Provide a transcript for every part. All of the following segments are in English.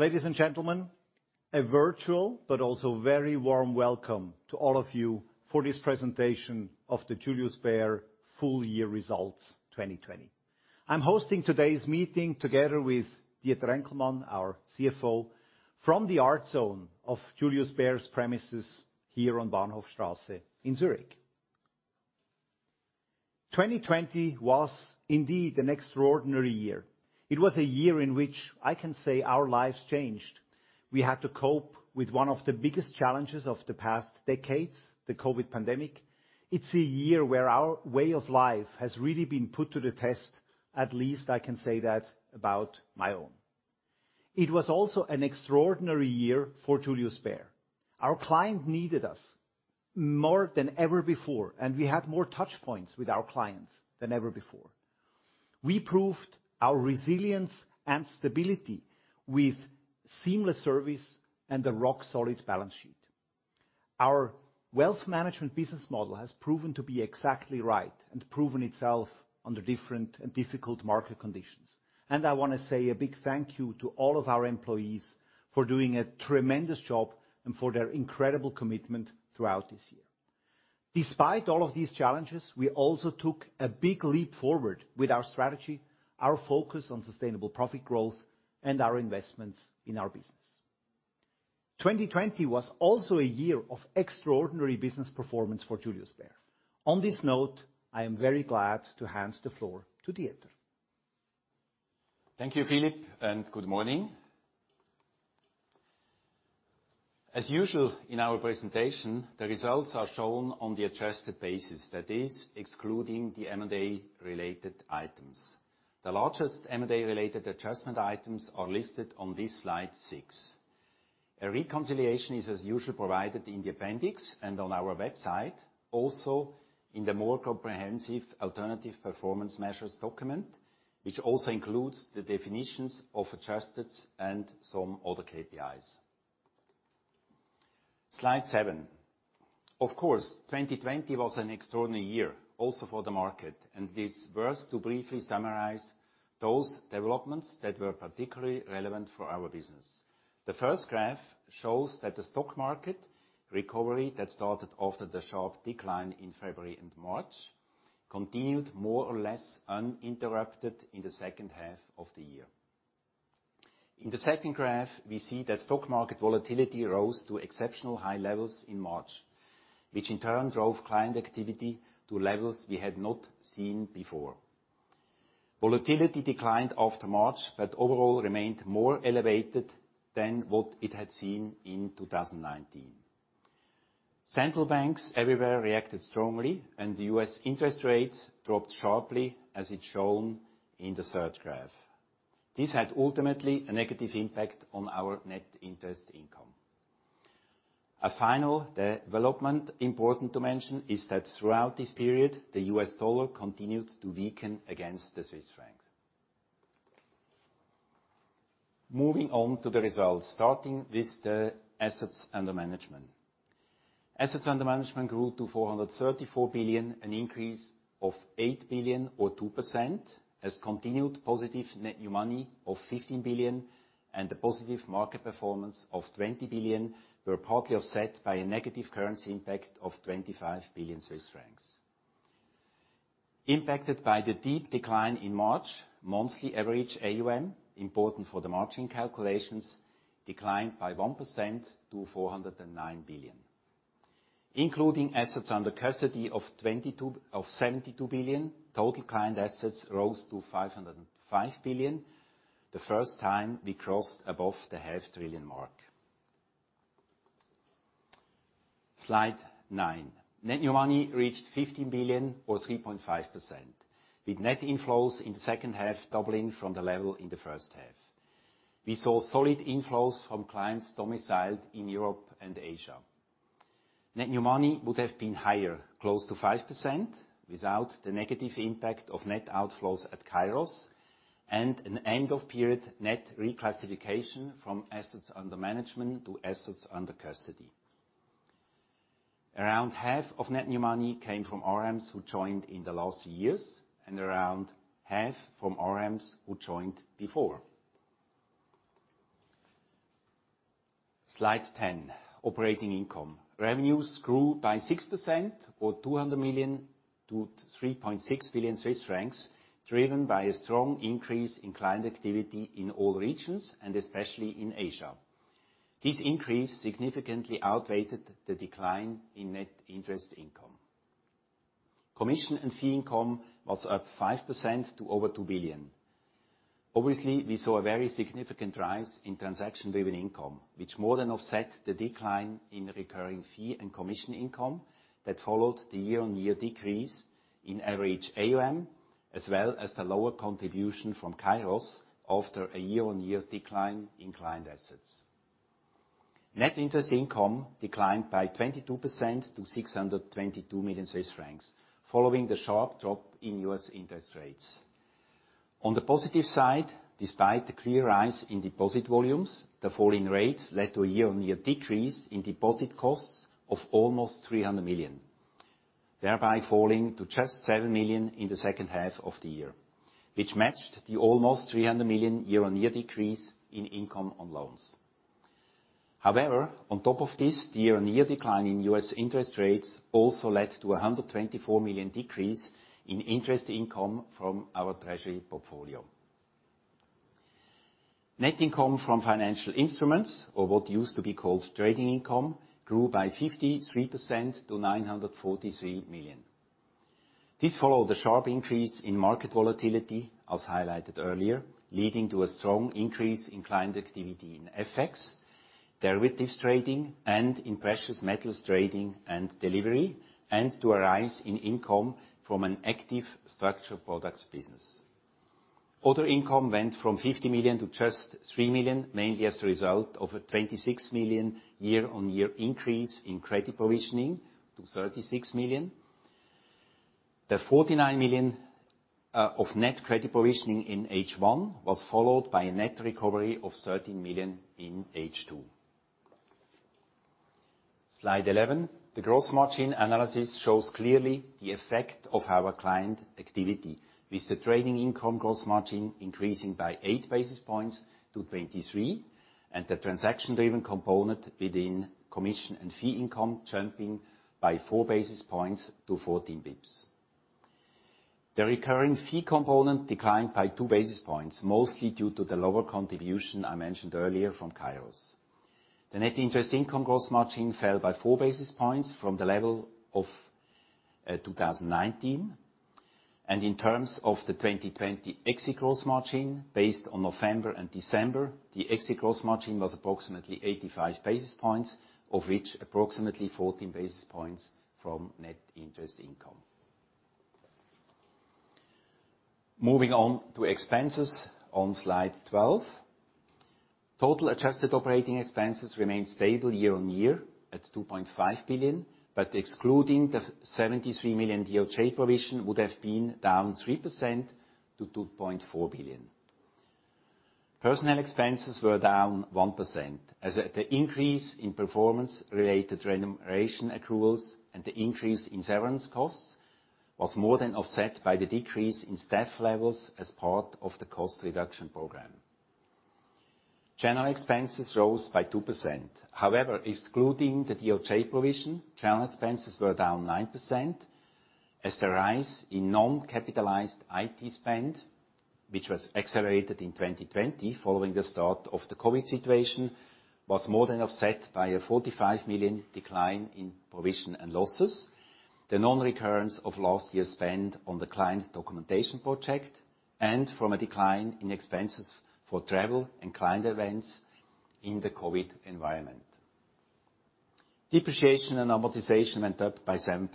Ladies and gentlemen, a virtual but also very warm welcome to all of you for this presentation of the Julius Baer full year results 2020. I'm hosting today's meeting together with Dieter Enkelmann, our CFO, from the art zone of Julius Baer's premises here on Bahnhofstrasse in Zurich. 2020 was indeed an extraordinary year. It was a year in which I can say our lives changed. We had to cope with one of the biggest challenges of the past decades, the COVID pandemic. It's a year where our way of life has really been put to the test. At least I can say that about my own. It was also an extraordinary year for Julius Baer. Our client needed us more than ever before, and we had more touchpoints with our clients than ever before. We proved our resilience and stability with seamless service and a rock solid balance sheet. Our wealth management business model has proven to be exactly right and proven itself under different and difficult market conditions. I wanna say a big thank you to all of our employees for doing a tremendous job and for their incredible commitment throughout this year. Despite all of these challenges, we also took a big leap forward with our strategy, our focus on sustainable profit growth, and our investments in our business. 2020 was also a year of extraordinary business performance for Julius Baer. On this note, I am very glad to hand the floor to Dieter. Thank you, Philipp, and good morning. As usual, in our presentation, the results are shown on the adjusted basis, that is excluding the M&A-related items. The largest M&A-related adjustment items are listed on this slide six. A reconciliation is as usual provided in the appendix and on our website, also in the more comprehensive alternative performance measures document, which also includes the definitions of adjusted and some other KPIs. Slide seven. Of course, 2020 was an extraordinary year also for the market, and it's worth to briefly summarize those developments that were particularly relevant for our business. The first graph shows that the stock market recovery that started after the sharp decline in February and March continued more or less uninterrupted in the second half of the year. In the second graph, we see that stock market volatility rose to exceptional high levels in March, which in turn drove client activity to levels we had not seen before. Volatility declined after March, but overall remained more elevated than what it had seen in 2019. Central banks everywhere reacted strongly, the U.S. interest rates dropped sharply as is shown in the third graph. This had ultimately a negative impact on our net interest income. A final development important to mention is that throughout this period, the U.S. dollar continued to weaken against the Swiss franc. Moving on to the results, starting with the assets under management. Assets under management grew to 434 billion, an increase of 8 billion or 2%, as continued positive net new money of 15 billion and the positive market performance of 20 billion were partly offset by a negative currency impact of 25 billion Swiss francs. Impacted by the deep decline in March, monthly average AUM, important for the margin calculations, declined by 1% to 409 billion. Including assets under custody of 72 billion, total client assets rose to 505 billion, the first time we crossed above the half trillion mark. Slide 9. Net new money reached 15 billion or 3.5%, with net inflows in the second half doubling from the level in the first half. We saw solid inflows from clients domiciled in Europe and Asia. Net new money would have been higher, close to 5%, without the negative impact of net outflows at Kairos and an end of period net reclassification from assets under management to assets under custody. Around half of net new money came from RMs who joined in the last years and around half from RMs who joined before. Slide 10, operating income. Revenues grew by 6% or 200 million to 3.6 billion Swiss francs, driven by a strong increase in client activity in all regions and especially in Asia. This increase significantly outweighed the decline in net interest income. Commission and fee income was up 5% to over 2 billion. Obviously, we saw a very significant rise in transaction-driven income, which more than offset the decline in recurring fee and commission income that followed the year-on-year decrease in average AUM, as well as the lower contribution from Kairos after a year-on-year decline in client assets. Net interest income declined by 22% to 622 million Swiss francs following the sharp drop in US interest rates. On the positive side, despite the clear rise in deposit volumes, the fall in rates led to a year-on-year decrease in deposit costs of almost 300 million. Thereby falling to just 7 million in the second half of the year, which matched the almost 300 million year-on-year decrease in income on loans. On top of this, the year-on-year decline in US interest rates also led to a 124 million decrease in interest income from our treasury portfolio. Net income from financial instruments, or what used to be called trading income, grew by 53% to 943 million. This followed a sharp increase in market volatility, as highlighted earlier, leading to a strong increase in client activity in FX, derivatives trading, and in precious metals trading and delivery, and to a rise in income from an active structured products business. Other income went from 50 million to just 3 million, mainly as a result of a 26 million year-on-year increase in credit provisioning to 36 million. The 49 million of net credit provisioning in H1 was followed by a net recovery of 13 million in H2. Slide 11. The gross margin analysis shows clearly the effect of our client activity, with the trading income gross margin increasing by eight basis points to 23, and the transaction-driven component within commission and fee income jumping by four basis points to 14 bps. The recurring fee component declined by two basis points, mostly due to the lower contribution I mentioned earlier from Kairos. The net interest income gross margin fell by four basis points from the level of 2019. In terms of the 2020 exit gross margin, based on November and December, the exit gross margin was approximately 85 basis points, of which approximately 14 basis points from net interest income. Moving on to expenses on slide 12. Total adjusted operating expenses remained stable year-on-year at 2.5 billion, but excluding the 73 million DOJ provision, would have been down 3% to 2.4 billion. Personnel expenses were down 1%, as the increase in performance-related remuneration accruals and the increase in severance costs was more than offset by the decrease in staff levels as part of the cost reduction program. General expenses rose by 2%. However, excluding the DOJ provision, general expenses were down 9%, as the rise in non-capitalized IT spend, which was accelerated in 2020 following the start of the COVID situation, was more than offset by a 45 million decline in provision and losses, the non-recurrence of last year's spend on the client documentation project, and from a decline in expenses for travel and client events in the COVID environment. Depreciation and amortization went up by 7%,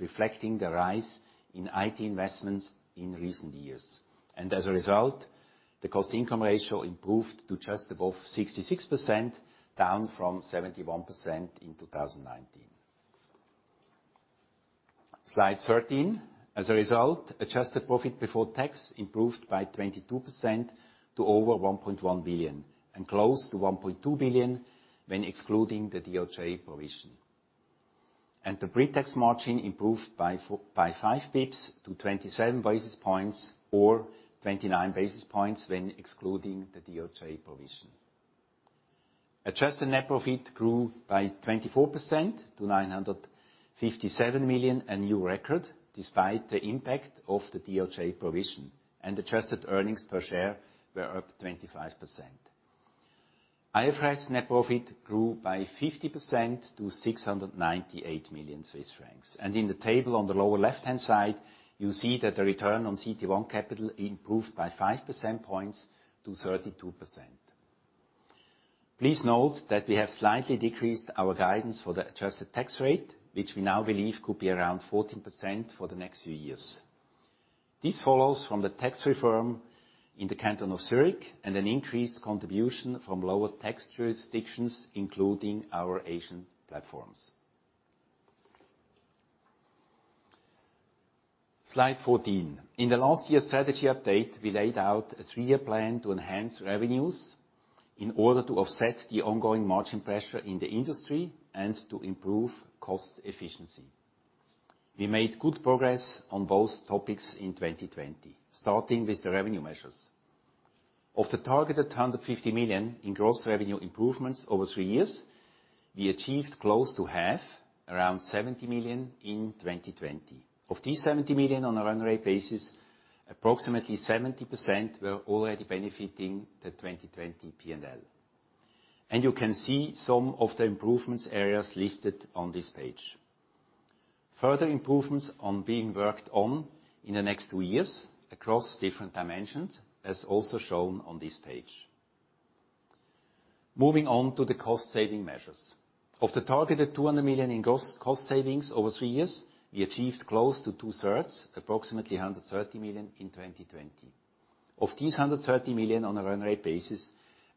reflecting the rise in IT investments in recent years. As a result, the cost income ratio improved to just above 66%, down from 71% in 2019. Slide 13. As a result, adjusted profit before tax improved by 22% to over 1.1 billion, and close to 1.2 billion when excluding the DOJ provision. The pre-tax margin improved by 5 basis points to 27 basis points, or 29 basis points when excluding the DOJ provision. Adjusted net profit grew by 24% to 957 million, a new record, despite the impact of the DOJ provision. Adjusted earnings per share were up 25%. IFRS net profit grew by 50% to 698 million Swiss francs. In the table on the lower left-hand side, you see that the return on CET1 capital improved by 5 percentage points to 32%. Please note that we have slightly decreased our guidance for the adjusted tax rate, which we now believe could be around 14% for the next few years. This follows from the tax reform in the canton of Zurich, and an increased contribution from lower tax jurisdictions, including our Asian platforms. Slide 14. In the last year's strategy update, we laid out a three year plan to enhance revenues in order to offset the ongoing margin pressure in the industry and to improve cost efficiency. We made good progress on both topics in 2020, starting with the revenue measures. Of the targeted 150 million in gross revenue improvements over three years, we achieved close to half, around 70 million, in 2020. Of these 70 million on a run-rate basis, approximately 70% were already benefiting the 2020 P&L. You can see some of the improvements areas listed on this page. Further improvements are being worked on in the next two years across different dimensions, as also shown on this page. Moving on to the cost-saving measures. Of the targeted 200 million in gross cost savings over three years, we achieved close to two-thirds, approximately 130 million, in 2020. Of these 130 million on a run-rate basis,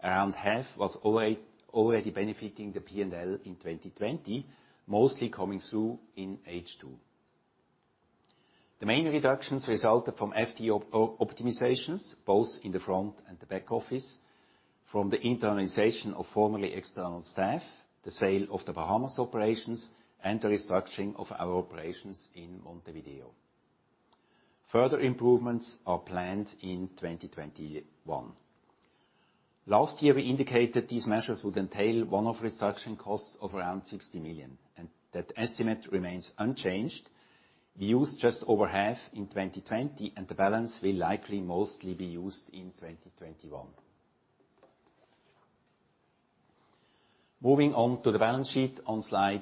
around half was already benefiting the P&L in 2020, mostly coming through in H2. The main reductions resulted from FTE optimizations, both in the front and the back office, from the internalization of formerly external staff, the sale of the Bahamas operations, and the restructuring of our operations in Montevideo. Further improvements are planned in 2021. Last year, we indicated these measures would entail one-off reduction costs of around 60 million, and that estimate remains unchanged. We used just over half in 2020, and the balance will likely mostly be used in 2021. Moving on to the balance sheet on slide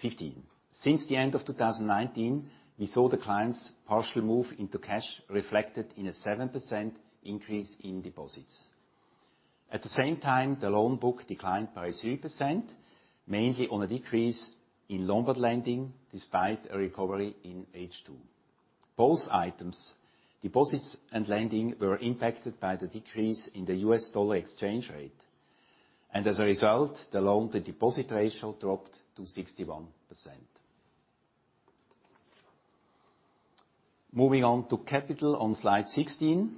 15. Since the end of 2019, we saw the clients partially move into cash, reflected in a 7% increase in deposits. At the same time, the loan book declined by 3%, mainly on a decrease in Lombard lending, despite a recovery in H2. Both items, deposits and lending, were impacted by the decrease in the US dollar exchange rate. As a result, the loan-to-deposit ratio dropped to 61%. Moving on to capital on slide 16.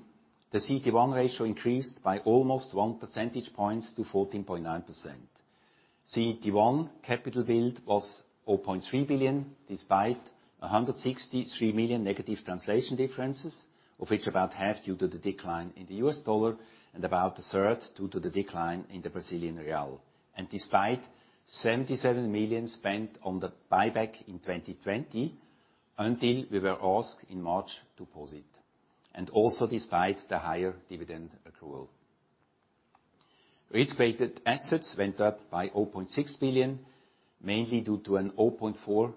The CET1 ratio increased by almost 1 percentage point to 14.9%. CET1 capital build was 4.3 billion, despite 163 million negative translation differences, of which about half due to the decline in the US dollar and about a third due to the decline in the Brazilian real, and despite 77 million spent on the buyback in 2020, until we were asked in March to pause it, and also despite the higher dividend accrual. Risk-weighted assets went up by 0.6 billion, mainly due to an 0.4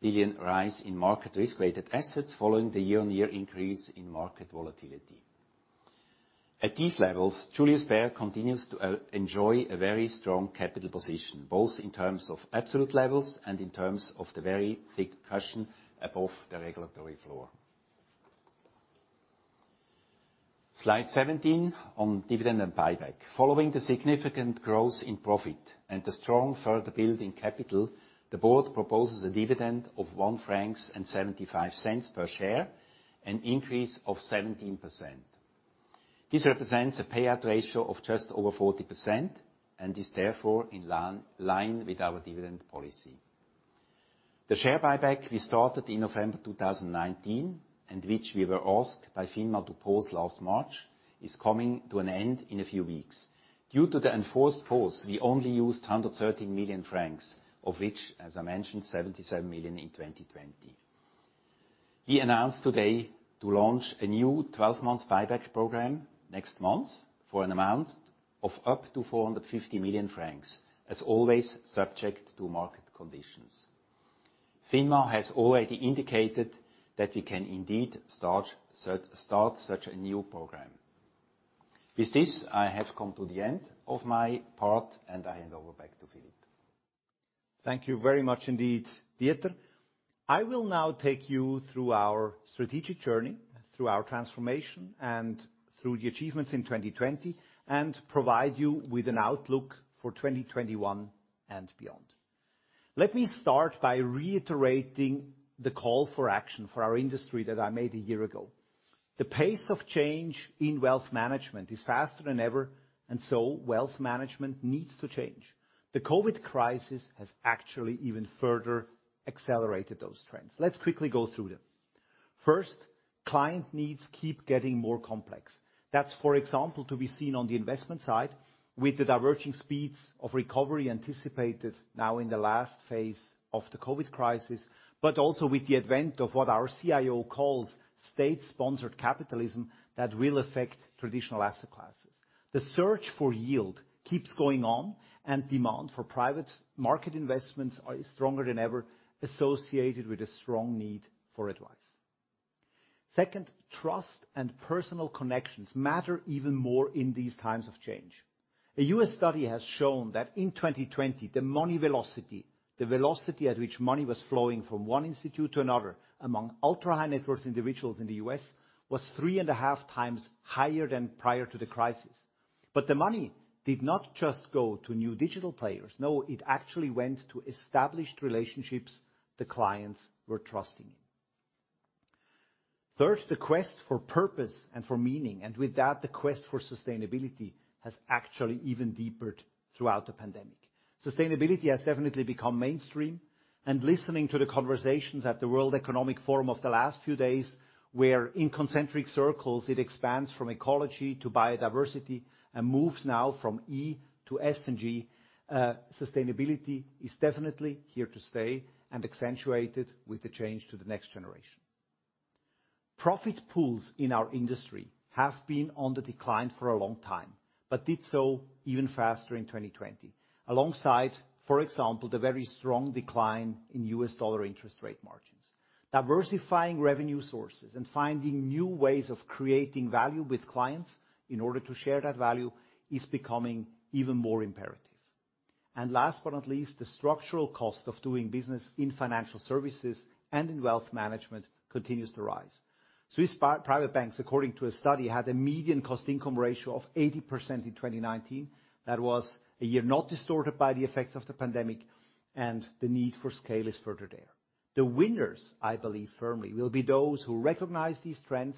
billion rise in market risk-weighted assets following the year-on-year increase in market volatility. At these levels, Julius Baer continues to enjoy a very strong capital position, both in terms of absolute levels and in terms of the very thick cushion above the regulatory floor. Slide 17 on dividend and buyback. Following the significant growth in profit and the strong further build in capital, the board proposes a dividend of 1.75 francs per share, an increase of 17%. This represents a payout ratio of just over 40%, and is therefore in line with our dividend policy. The share buyback we started in November 2019, and which we were asked by FINMA to pause last March, is coming to an end in a few weeks. Due to the enforced pause, we only used 113 million francs, of which, as I mentioned, 77 million in 2020. We announced today to launch a new 12-month buyback program next month for an amount of up to 450 million francs, as always, subject to market conditions. FINMA has already indicated that we can indeed start such a new program. With this, I have come to the end of my part, and I hand over back to Philipp. Thank you very much indeed, Dieter. I will now take you through our strategic journey, through our transformation, and through the achievements in 2020, and provide you with an outlook for 2021 and beyond. Let me start by reiterating the call for action for our industry that I made a year ago. The pace of change in wealth management is faster than ever, and so wealth management needs to change. The COVID crisis has actually even further accelerated those trends. Let's quickly go through them. First, client needs keep getting more complex. That's, for example, to be seen on the investment side with the diverging speeds of recovery anticipated now in the last phase of the COVID crisis, but also with the advent of what our CIO calls state-sponsored capitalism that will affect traditional asset classes. The search for yield keeps going on, and demand for private market investments are stronger than ever, associated with a strong need for advice. Second, trust and personal connections matter even more in these times of change. A U.S. study has shown that in 2020, the money velocity, the velocity at which money was flowing from one institute to another among ultra-high-net-worth individuals in the U.S., was three and a half times higher than prior to the crisis. The money did not just go to new digital players. No, it actually went to established relationships the clients were trusting in. Third, the quest for purpose and for meaning, and with that, the quest for sustainability, has actually even deepened throughout the pandemic. Sustainability has definitely become mainstream. Listening to the conversations at the World Economic Forum of the last few days, where in concentric circles it expands from ecology to biodiversity and moves now from E to [ESG], sustainability is definitely here to stay and accentuated with the change to the next generation. Profit pools in our industry have been on the decline for a long time, did so even faster in 2020, alongside, for example, the very strong decline in US dollar interest rate margins. Diversifying revenue sources and finding new ways of creating value with clients in order to share that value is becoming even more imperative. Last but not least, the structural cost of doing business in financial services and in wealth management continues to rise. Swiss private banks, according to a study, had a median cost-income ratio of 80% in 2019. That was a year not distorted by the effects of the pandemic and the need for scale is further there. The winners, I believe firmly, will be those who recognize these trends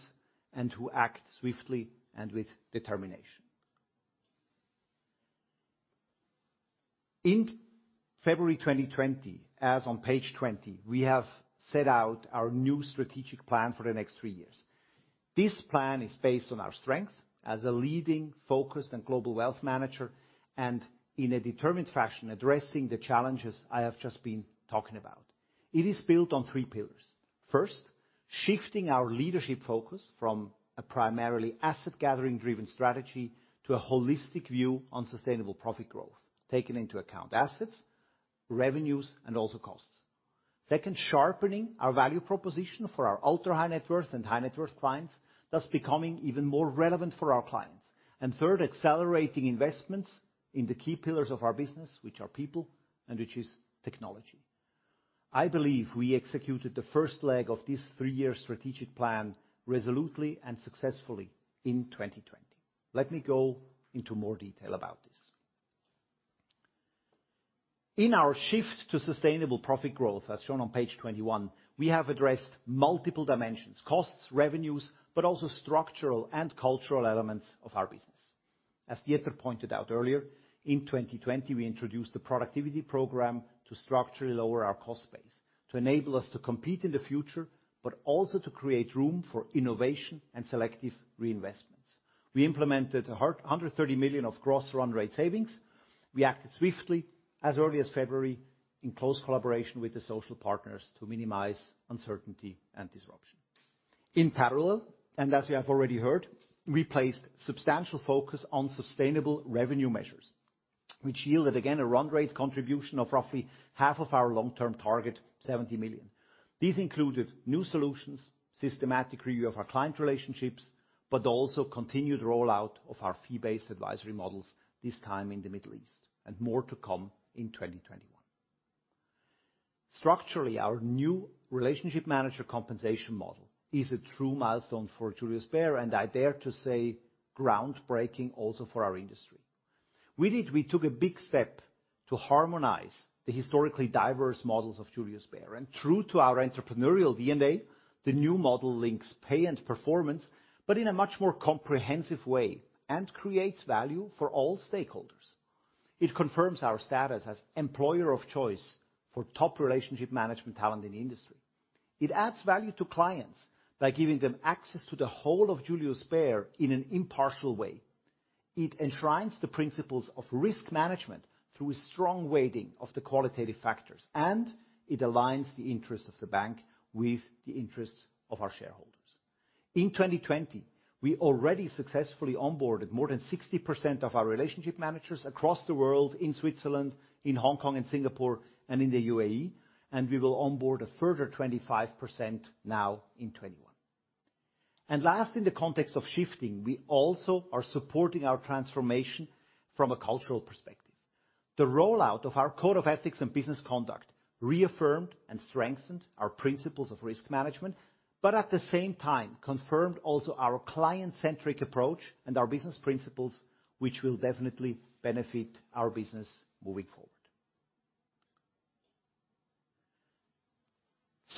and who act swiftly and with determination. In February 2020, as on page 20, we have set out our new strategic plan for the next three years. This plan is based on our strength as a leading, focused, and global wealth manager and in a determined fashion addressing the challenges I have just been talking about. It is built on three pillars. First, shifting our leadership focus from a primarily asset-gathering driven strategy to a holistic view on sustainable profit growth, taking into account assets, revenues, and also costs. Second, sharpening our value proposition for our ultra-high-net-worth and high-net-worth clients, thus becoming even more relevant for our clients. Third, accelerating investments in the key pillars of our business, which are people and which is technology. I believe we executed the first leg of this three year strategic plan resolutely and successfully in 2020. Let me go into more detail about this. In our shift to sustainable profit growth, as shown on page 21, we have addressed multiple dimensions, costs, revenues, but also structural and cultural elements of our business. As Dieter pointed out earlier, in 2020, we introduced the productivity program to structurally lower our cost base to enable us to compete in the future, but also to create room for innovation and selective reinvestments. We implemented 130 million of gross run rate savings. We acted swiftly as early as February in close collaboration with the social partners to minimize uncertainty and disruption. In parallel, and as you have already heard, we placed substantial focus on sustainable revenue measures, which yielded, again, a run rate contribution of roughly half of our long-term target, 70 million. These included new solutions, systematic review of our client relationships, but also continued rollout of our fee-based advisory models, this time in the Middle East, and more to come in 2021. Structurally, our new relationship manager compensation model is a true milestone for Julius Baer, and I dare to say groundbreaking also for our industry. With it, we took a big step to harmonize the historically diverse models of Julius Baer. True to our entrepreneurial DNA, the new model links pay and performance, but in a much more comprehensive way and creates value for all stakeholders. It confirms our status as employer of choice for top relationship management talent in the industry. It adds value to clients by giving them access to the whole of Julius Baer in an impartial way. It enshrines the principles of risk management through a strong weighting of the qualitative factors. It aligns the interests of the bank with the interests of our shareholders. In 2020, we already successfully onboarded more than 60% of our relationship managers across the world in Switzerland, in Hong Kong and Singapore, and in the UAE. We will onboard a further 25% now in 2021. Last, in the context of shifting, we also are supporting our transformation from a cultural perspective. The rollout of our code of ethics and business conduct reaffirmed and strengthened our principles of risk management. At the same time confirmed also our client-centric approach and our business principles, which will definitely benefit our business moving forward.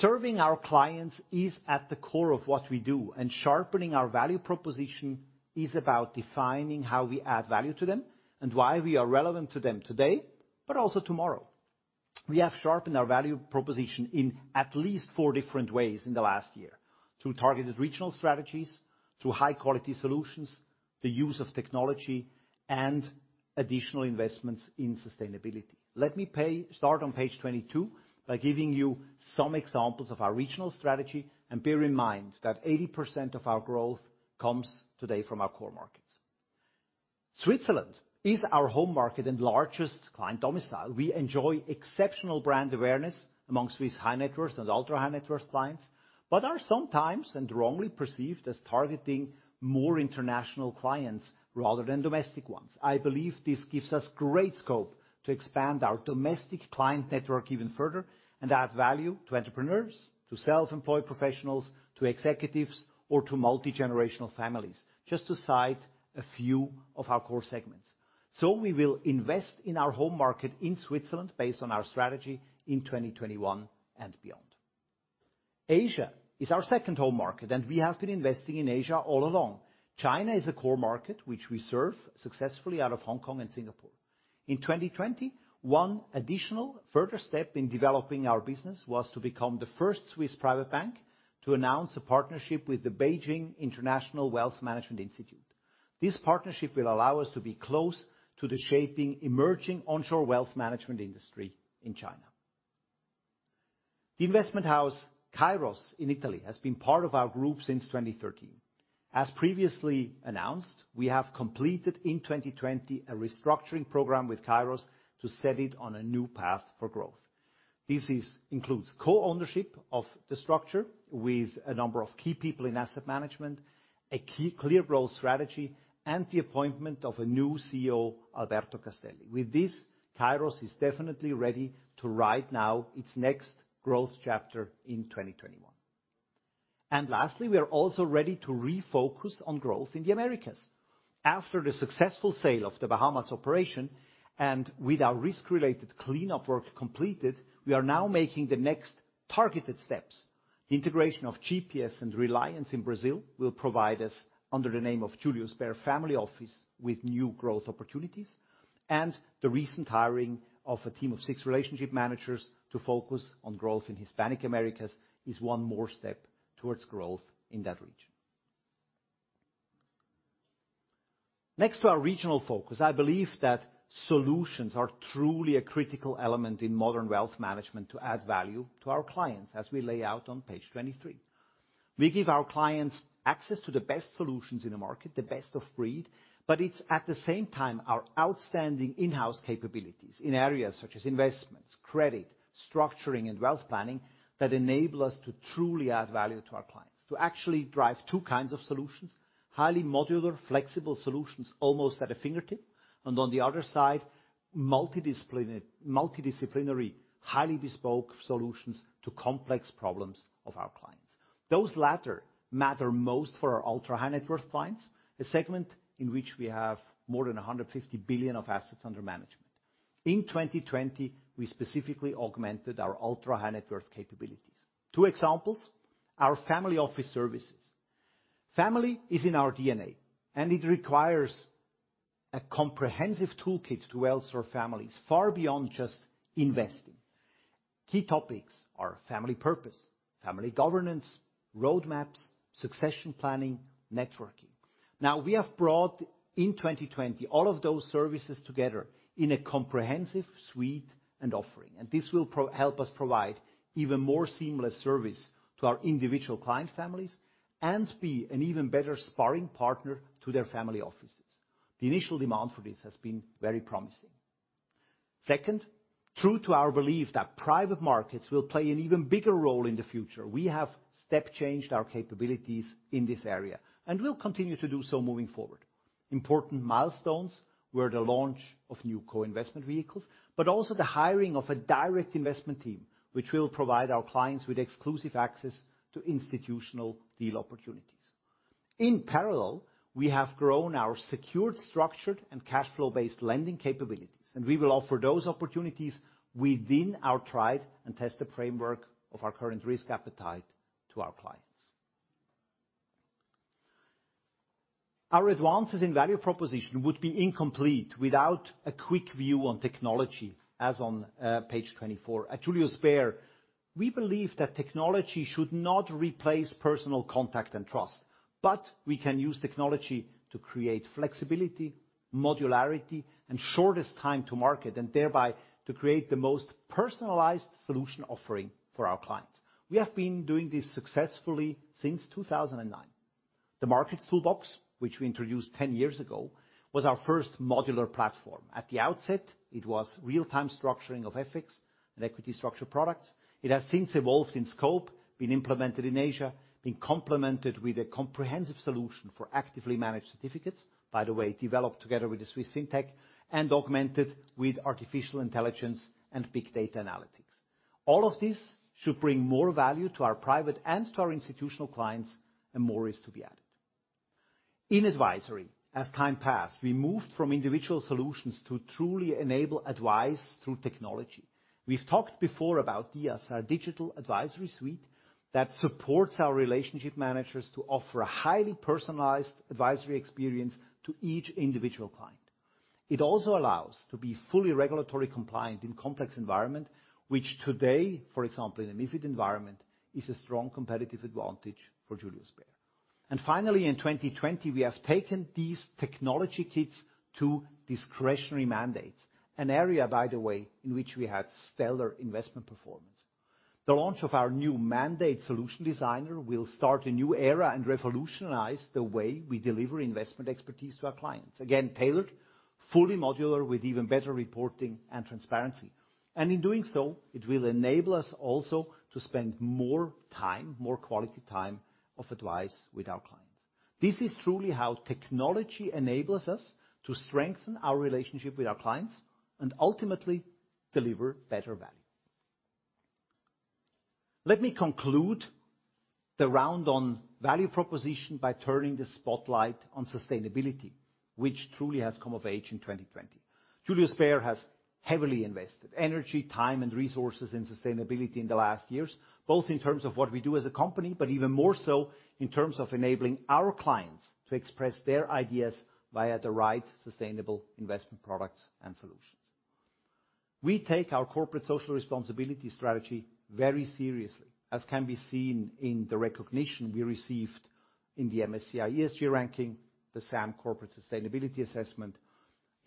Serving our clients is at the core of what we do, sharpening our value proposition is about defining how we add value to them and why we are relevant to them today, but also tomorrow. We have sharpened our value proposition in at least four different ways in the last year, through targeted regional strategies, through high-quality solutions, the use of technology, and additional investments in sustainability. Let me start on page 22 by giving you some examples of our regional strategy, bear in mind that 80% of our growth comes today from our core markets. Switzerland is our home market and largest client domicile. We enjoy exceptional brand awareness amongst Swiss high-net-worth and ultra-high-net-worth clients, are sometimes and wrongly perceived as targeting more international clients rather than domestic ones. I believe this gives us great scope to expand our domestic client network even further and add value to entrepreneurs, to self-employed professionals, to executives, or to multi-generational families, just to cite a few of our core segments. We will invest in our home market in Switzerland based on our strategy in 2021 and beyond. Asia is our second home market, and we have been investing in Asia all along. China is a core market which we serve successfully out of Hong Kong and Singapore. In 2020, one additional further step in developing our business was to become the first Swiss private bank to announce a partnership with the Beijing International Wealth Management Institute. This partnership will allow us to be close to the shaping emerging onshore wealth management industry in China. The investment house Kairos in Italy has been part of our group since 2013. As previously announced, we have completed in 2020 a restructuring program with Kairos to set it on a new path for growth. This includes co-ownership of the structure with a number of key people in asset management, a clear growth strategy, and the appointment of a new CEO, Alberto Castelli. With this, Kairos is definitely ready to write now its next growth chapter in 2021. Lastly, we are also ready to refocus on growth in the Americas. After the successful sale of the Bahamas operation, and with our risk-related cleanup work completed, we are now making the next targeted steps. Integration of GPS and Reliance in Brazil will provide us, under the name of Julius Baer Family Office, with new growth opportunities. The recent hiring of a team of six relationship managers to focus on growth in Hispanic Americas is one more step towards growth in that region. Next to our regional focus, I believe that solutions are truly a critical element in modern wealth management to add value to our clients, as we lay out on page 23. We give our clients access to the best solutions in the market, the best of breed, but it's at the same time our outstanding in-house capabilities in areas such as investments, credit, structuring, and wealth planning that enable us to truly add value to our clients, to actually drive two kinds of solutions. Highly modular, flexible solutions almost at a fingertip. On the other side, multidisciplinary, highly bespoke solutions to complex problems of our clients. Those latter matter most for our ultra-high-net-worth clients, a segment in which we have more than 150 billion of assets under management. In 2020, we specifically augmented our ultra-high-net-worth capabilities. Two examples, our family office services. Family is in our DNA, and it requires a comprehensive toolkit to wealth for families far beyond just investing. Key topics are family purpose, family governance, road maps, succession planning, networking. Now, we have brought, in 2020, all of those services together in a comprehensive suite and offering. This will help us provide even more seamless service to our individual client families and be an even better sparring partner to their family offices. The initial demand for this has been very promising. True to our belief that private markets will play an even bigger role in the future, we have step-changed our capabilities in this area and will continue to do so moving forward. Important milestones were the launch of new co-investment vehicles, but also the hiring of a direct investment team, which will provide our clients with exclusive access to institutional deal opportunities. In parallel, we have grown our secured, structured, and cash flow-based lending capabilities. We will offer those opportunities within our tried and tested framework of our current risk appetite to our clients. Our advances in value proposition would be incomplete without a quick view on technology, as on page 24. At Julius Baer, we believe that technology should not replace personal contact and trust. We can use technology to create flexibility, modularity, and shortest time to market, and thereby to create the most personalized solution offering for our clients. We have been doing this successfully since 2009. The Markets Toolbox, which we introduced 10 years ago, was our first modular platform. At the outset, it was real-time structuring of FX and equity structure products. It has since evolved in scope, been implemented in Asia, been complemented with a comprehensive solution for actively managed certificates. By the way, developed together with the Swiss FinTech and augmented with artificial intelligence and big data analytics. All of this should bring more value to our private and to our institutional clients, and more is to be added. In advisory, as time passed, we moved from individual solutions to truly enable advice through technology. We've talked before about DiAS, our Digital Advisory Suite, that supports our relationship managers to offer a highly personalized advisory experience to each individual client. It also allows to be fully regulatory compliant in complex environment, which today, for example, in a MiFID environment, is a strong competitive advantage for Julius Baer. Finally, in 2020, we have taken these technology kits to discretionary mandates, an area, by the way, in which we had stellar investment performance. The launch of our new Mandate Solution Designer will start a new era and revolutionize the way we deliver investment expertise to our clients. Again, tailored, fully modular with even better reporting and transparency. In doing so, it will enable us also to spend more time, more quality time of advice with our clients. This is truly how technology enables us to strengthen our relationship with our clients and ultimately deliver better value. Let me conclude the round on value proposition by turning the spotlight on sustainability, which truly has come of age in 2020. Julius Baer has heavily invested energy, time, and resources in sustainability in the last years, both in terms of what we do as a company, but even more so in terms of enabling our clients to express their ideas via the right sustainable investment products and solutions. We take our corporate social responsibility strategy very seriously, as can be seen in the recognition we received in the MSCI ESG ranking, the SAM Corporate Sustainability Assessment.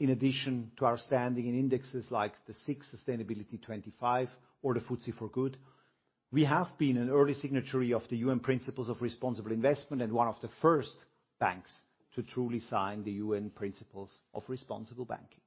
In addition to our standing in indexes like the SIX Sustainability 25 or the FTSE4Good, we have been an early signatory of the UN Principles of Responsible Investment and one of the first banks to truly sign the UN Principles of Responsible Banking.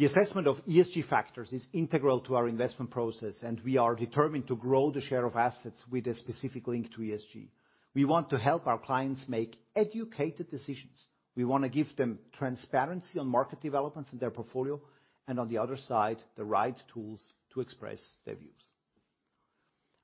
The assessment of ESG factors is integral to our investment process, and we are determined to grow the share of assets with a specific link to ESG. We want to help our clients make educated decisions. We wanna give them transparency on market developments in their portfolio, and on the other side, the right tools to express their views.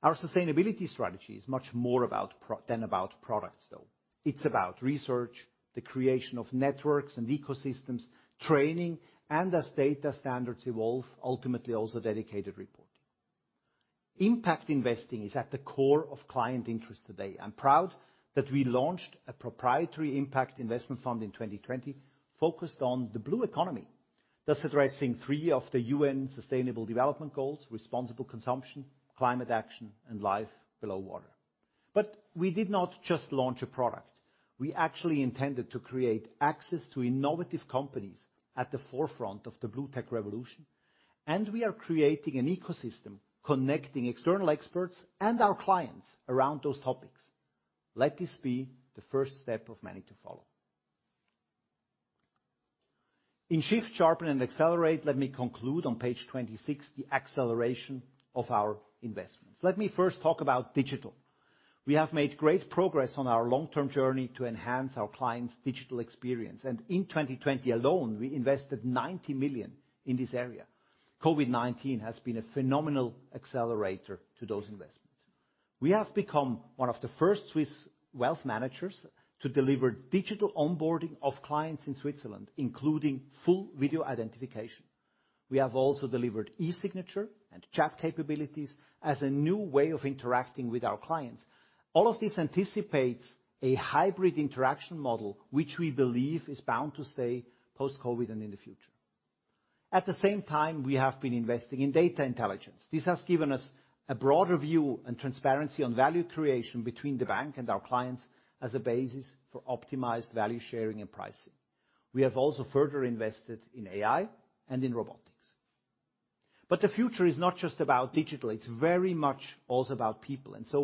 Our sustainability strategy is much more about products, though. It's about research, the creation of networks and ecosystems, training, and as data standards evolve, ultimately also dedicated reporting. Impact investing is at the core of client interest today. I'm proud that we launched a proprietary impact investment fund in 2020 focused on the blue economy, thus addressing three of the UN Sustainable Development Goals: responsible consumption, climate action, and life below water. We did not just launch a product. We actually intended to create access to innovative companies at the forefront of the blue tech revolution, and we are creating an ecosystem connecting external experts and our clients around those topics. Let this be the first step of many to follow. In shift, sharpen, and accelerate, let me conclude on page 26, the acceleration of our investments. Let me first talk about digital. We have made great progress on our long-term journey to enhance our clients' digital experience, and in 2020 alone, we invested 90 million in this area. COVID-19 has been a phenomenal accelerator to those investments. We have become one of the first Swiss wealth managers to deliver digital onboarding of clients in Switzerland, including full video identification. We have also delivered e-signature and chat capabilities as a new way of interacting with our clients. All of this anticipates a hybrid interaction model which we believe is bound to stay post-COVID and in the future. At the same time, we have been investing in data intelligence. This has given us a broader view and transparency on value creation between the bank and our clients as a basis for optimized value sharing and pricing. We have also further invested in AI and in robotics. The future is not just about digital.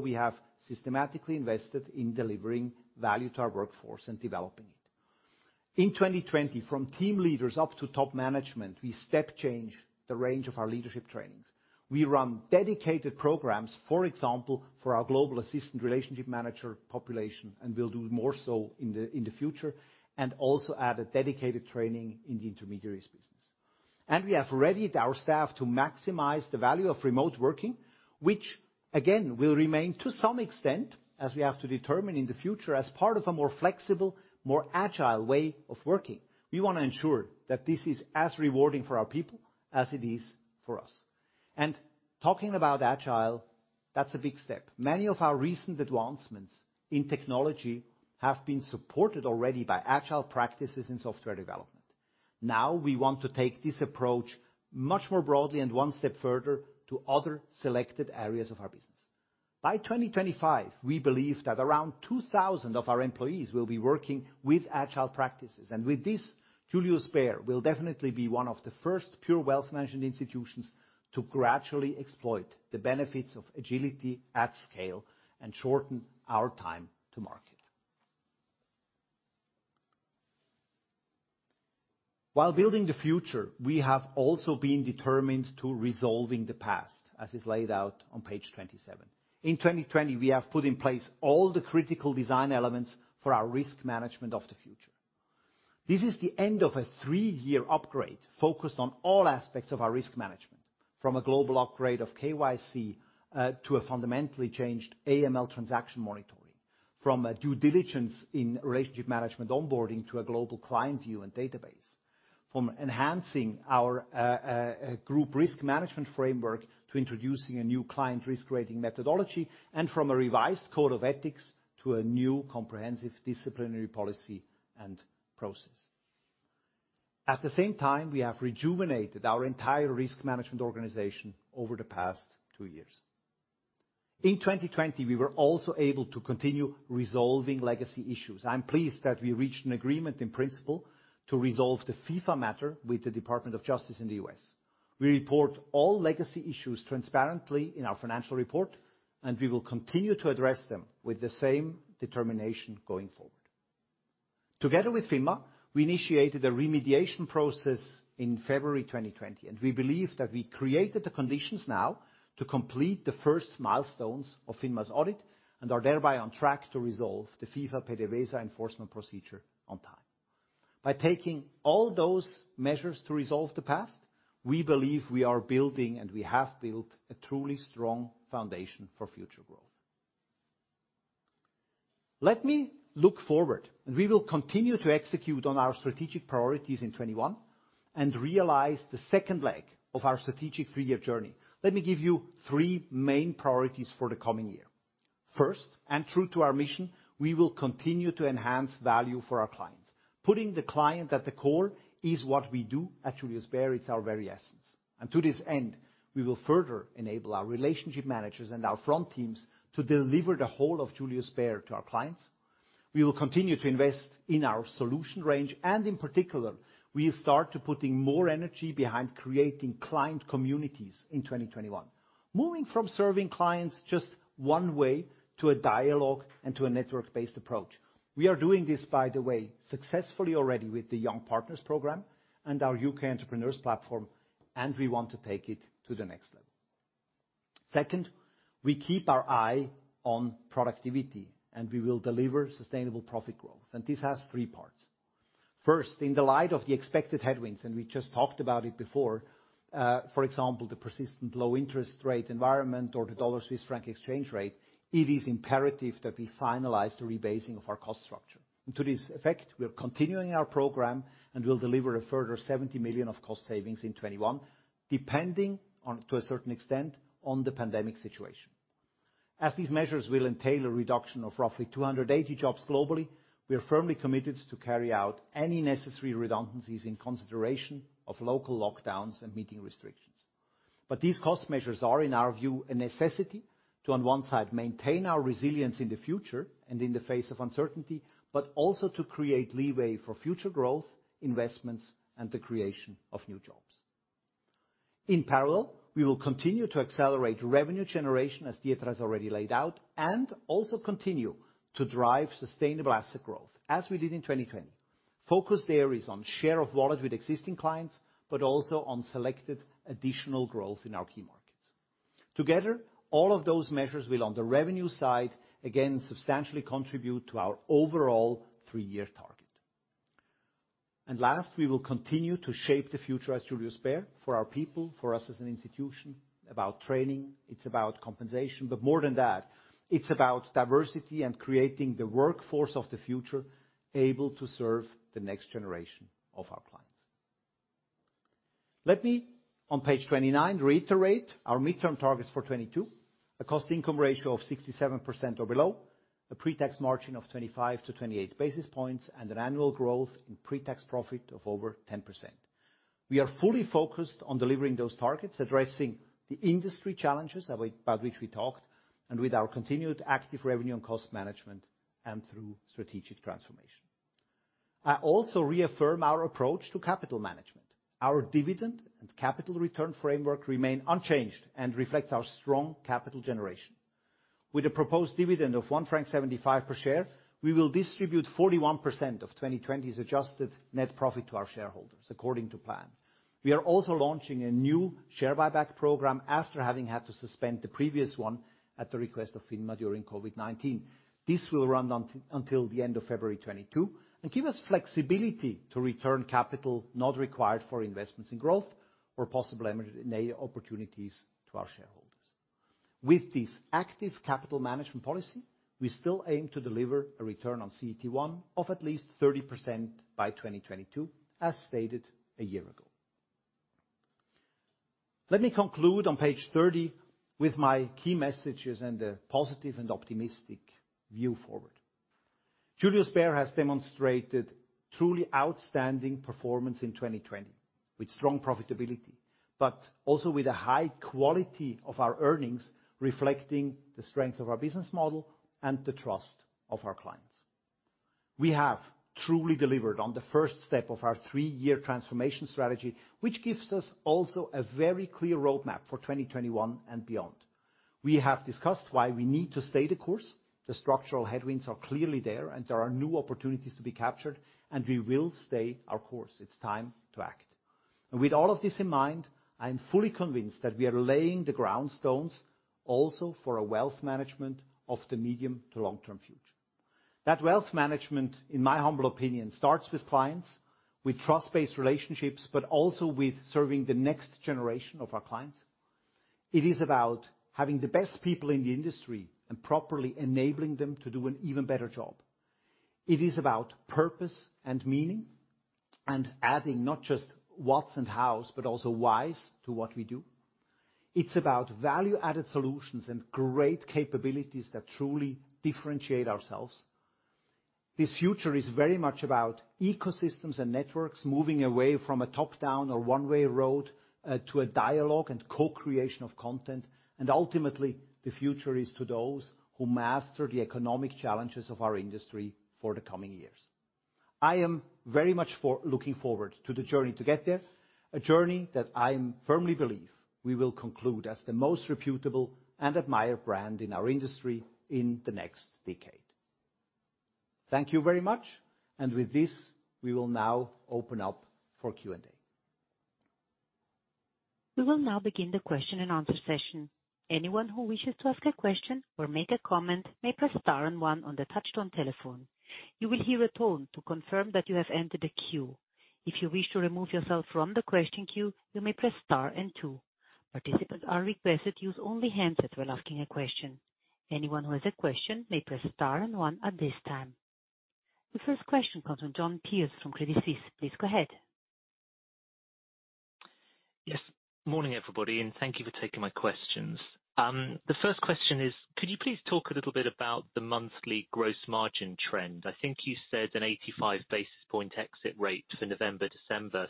We have systematically invested in delivering value to our workforce and developing it. In 2020, from team leaders up to top management, we step change the range of our leadership trainings. We run dedicated programs, for example, for our global assistant relationship manager population, and will do more so in the future, and also add a dedicated training in the intermediaries business. We have readied our staff to maximize the value of remote working, which again will remain to some extent, as we have to determine in the future, as part of a more flexible, more agile way of working. We wanna ensure that this is as rewarding for our people as it is for us. Talking about agile, that's a big step. Many of our recent advancements in technology have been supported already by agile practices in software development. Now we want to take this approach much more broadly and one step further to other selected areas of our business. By 2025, we believe that around 2,000 of our employees will be working with agile practices. With this, Julius Baer will definitely be one of the first pure wealth management institutions to gradually exploit the benefits of agility at scale and shorten our time to market. While building the future, we have also been determined to resolving the past, as is laid out on page 27. In 2020, we have put in place all the critical design elements for our risk management of the future. This is the end of a three year upgrade focused on all aspects of our risk management, from a global upgrade of KYC, to a fundamentally changed AML transaction monitoring, from a due diligence in relationship management onboarding to a global client view and database, from enhancing our group risk management framework to introducing a new client risk rating methodology, and from a revised code of ethics to a new comprehensive disciplinary policy and process. At the same time, we have rejuvenated our entire risk management organization over the past two years. In 2020, we were also able to continue resolving legacy issues. I'm pleased that we reached an agreement in principle to resolve the FIFA matter with the Department of Justice in the U.S. We report all legacy issues transparently in our financial report, and we will continue to address them with the same determination going forward. Together with FINMA, we initiated a remediation process in February 2020, and we believe that we created the conditions now to complete the first milestones of FINMA's audit and are thereby on track to resolve the FIFA-related enforcement procedure on time. By taking all those measures to resolve the past, we believe we are building and we have built a truly strong foundation for future growth. Let me look forward, and we will continue to execute on our strategic priorities in 2021 and realize the second leg of our strategic three year journey. Let me give you three main priorities for the coming year. First, and true to our mission, we will continue to enhance value for our clients. Putting the client at the core is what we do at Julius Baer. It's our very essence. To this end, we will further enable our relationship managers and our front teams to deliver the whole of Julius Baer to our clients. We will continue to invest in our solution range, and in particular, we'll start to putting more energy behind creating client communities in 2021. Moving from serving clients just one way to a dialogue and to a network-based approach. We are doing this, by the way, successfully already with the Young Partners program and our U.K. Entrepreneurs platform, and we want to take it to the next level. Second, we keep our eye on productivity and we will deliver sustainable profit growth. This has three parts. First, in the light of the expected headwinds, and we just talked about it before, for example, the persistent low interest rate environment or the Dollar Swiss franc exchange rate, it is imperative that we finalize the rebasing of our cost structure. To this effect, we are continuing our program, and we'll deliver a further 70 million of cost savings in 2021, depending on, to a certain extent, on the pandemic situation. As these measures will entail a reduction of roughly 280 jobs globally, we are firmly committed to carry out any necessary redundancies in consideration of local lockdowns and meeting restrictions. These cost measures are, in our view, a necessity to, on one side, maintain our resilience in the future and in the face of uncertainty, but also to create leeway for future growth, investments, and the creation of new jobs. In parallel, we will continue to accelerate revenue generation, as Dieter has already laid out, and also continue to drive sustainable asset growth, as we did in 2020. Focus there is on share of wallet with existing clients, but also on selected additional growth in our key markets. Together, all of those measures will, on the revenue side, again, substantially contribute to our overall three-year target. Last, we will continue to shape the future at Julius Baer for our people, for us as an institution, about training. It's about compensation, but more than that, it's about diversity and creating the workforce of the future able to serve the next generation of our clients. Let me, on page 29, reiterate our midterm targets for 2022. A cost income ratio of 67% or below, a pre-tax margin of 25 to 28 basis points, and an annual growth in pre-tax profit of over 10%. We are fully focused on delivering those targets, addressing the industry challenges about which we talked, and with our continued active revenue and cost management and through strategic transformation. I also reaffirm our approach to capital management. Our dividend and capital return framework remain unchanged and reflects our strong capital generation. With a proposed dividend of 1.75 franc per share, we will distribute 41% of 2020's adjusted net profit to our shareholders according to plan. We are also launching a new share buyback program after having had to suspend the previous one at the request of FINMA during COVID-19. This will run until the end of February 2022 and give us flexibility to return capital not required for investments in growth or possible M&A opportunities to our shareholders. With this active capital management policy, we still aim to deliver a return on CET1 of at least 30% by 2022, as stated a year ago. Let me conclude on page 30 with my key messages and a positive and optimistic view forward. Julius Baer has demonstrated truly outstanding performance in 2020, with strong profitability, but also with a high quality of our earnings, reflecting the strength of our business model and the trust of our clients. We have truly delivered on the first step of our three year transformation strategy, which gives us also a very clear roadmap for 2021 and beyond. We have discussed why we need to stay the course. The structural headwinds are clearly there, and there are new opportunities to be captured, and we will stay our course. It's time to act. With all of this in mind, I am fully convinced that we are laying the ground stones also for a wealth management of the medium to long-term future. That wealth management, in my humble opinion, starts with clients, with trust-based relationships, but also with serving the next generation of our clients. It is about having the best people in the industry and properly enabling them to do an even better job. It is about purpose and meaning and adding not just what's and how's but also why's to what we do. It's about value-added solutions and great capabilities that truly differentiate ourselves. This future is very much about ecosystems and networks moving away from a top-down or one-way road, to a dialogue and co-creation of content. Ultimately, the future is to those who master the economic challenges of our industry for the coming years. I am very much looking forward to the journey to get there, a journey that I firmly believe we will conclude as the most reputable and admired brand in our industry in the next decade. Thank you very much. With this, we will now open up for Q&A. The first question comes from Jon Peace from Credit Suisse. Please go ahead. Yes. Morning, everybody, and thank you for taking my questions. The first question is, could you please talk a little bit about the monthly gross margin trend? I think you said an 85 basis point exit rate for November, December.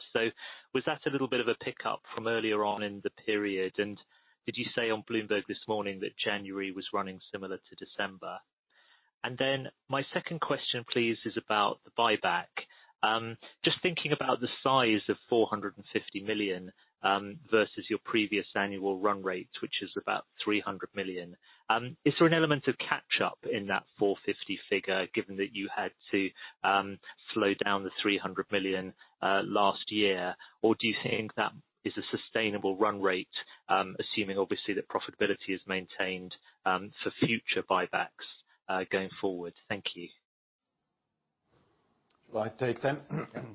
Was that a little bit of a pickup from earlier on in the period? Did you say on Bloomberg this morning that January was running similar to December? My second question, please, is about the buyback. Just thinking about the size of 450 million, versus your previous annual run rate, which is about 300 million, is there an element of catch-up in that 450 figure, given that you had to slow down the 300 million last year? Do you think that is a sustainable run rate, assuming obviously that profitability is maintained, for future buybacks? Going forward. Thank you. Well, I take them.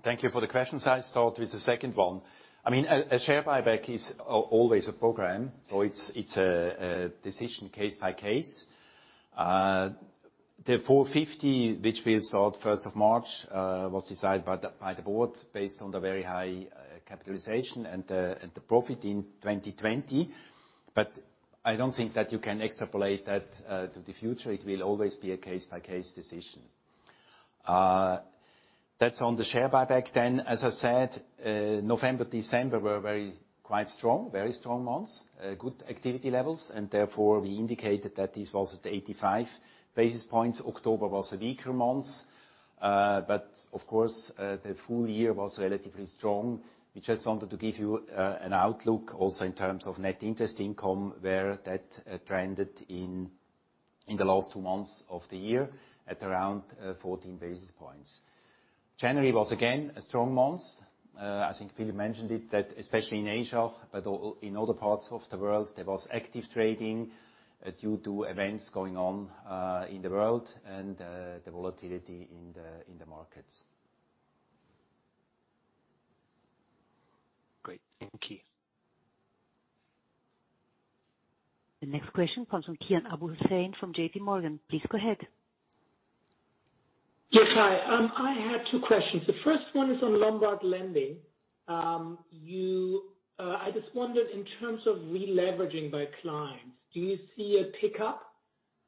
Thank you for the questions. I start with the second one. I mean, a share buyback is always a program, so it's a decision case by case. The 450 which we sold first of March was decided by the board based on the very high capitalization and the profit in 2020. I don't think that you can extrapolate that to the future. It will always be a case-by-case decision. That's on the share buyback then. As I said, November, December were very strong months. Good activity levels, and therefore, we indicated that this was at 85 basis points. October was a weaker month. Of course, the full year was relatively strong. We just wanted to give you an outlook also in terms of net interest income, where that trended in the last two months of the year at around 14 basis points. January was again, a strong month. I think Philipp mentioned it, that especially in Asia, but in other parts of the world, there was active trading due to events going on in the world and the volatility in the markets. Great. Thank you. The next question comes from Kian Abouhossein from JPMorgan. Please go ahead. Yes. Hi. I had two questions. The first one is on Lombard lending. I just wondered, in terms of releveraging by clients, do you see a pickup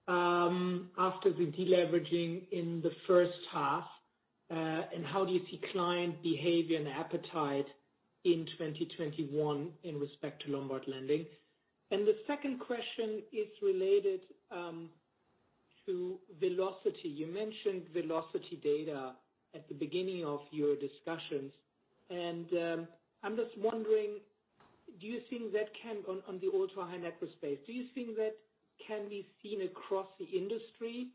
after the deleveraging in the first half? How do you see client behavior and appetite in 2021 in respect to Lombard lending? The second question is related to velocity. You mentioned velocity data at the beginning of your discussions. I'm just wondering, do you think that can on the ultra-high net worth space, do you think that can be seen across the industry?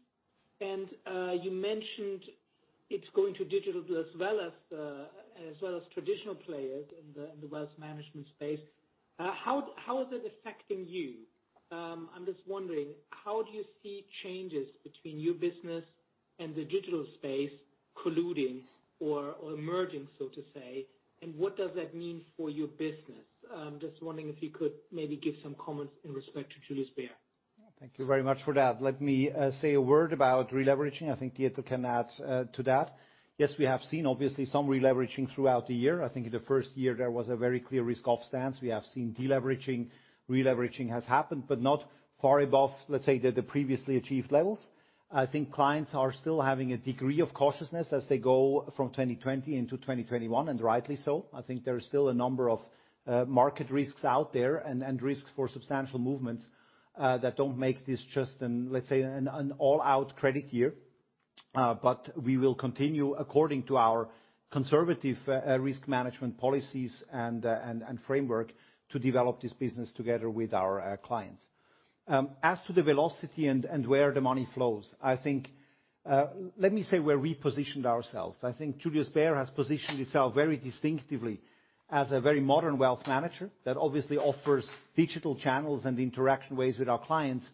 You mentioned it's going to digital as well as traditional players in the wealth management space. How is it affecting you? I'm just wondering, how do you see changes between your business and the digital space colluding or merging, so to say, and what does that mean for your business? just wondering if you could maybe give some comments in respect to Julius Baer. Thank you very much for that. Let me say a word about releveraging. I think Dieter can add to that. Yes, we have seen obviously some releveraging throughout the year. I think in the first year, there was a very clear risk-off stance. We have seen deleveraging. Releveraging has happened, but not far above, let's say, the previously achieved levels. I think clients are still having a degree of cautiousness as they go from 2020 into 2021, and rightly so. I think there are still a number of market risks out there and risks for substantial movements that don't make this just an all-out credit year. But we will continue according to our conservative risk management policies and framework to develop this business together with our clients. As to the velocity and where the money flows, I think, let me say we're repositioned ourselves. I think Julius Baer has positioned itself very distinctively as a very modern wealth manager that obviously offers digital channels and interaction ways with our clients.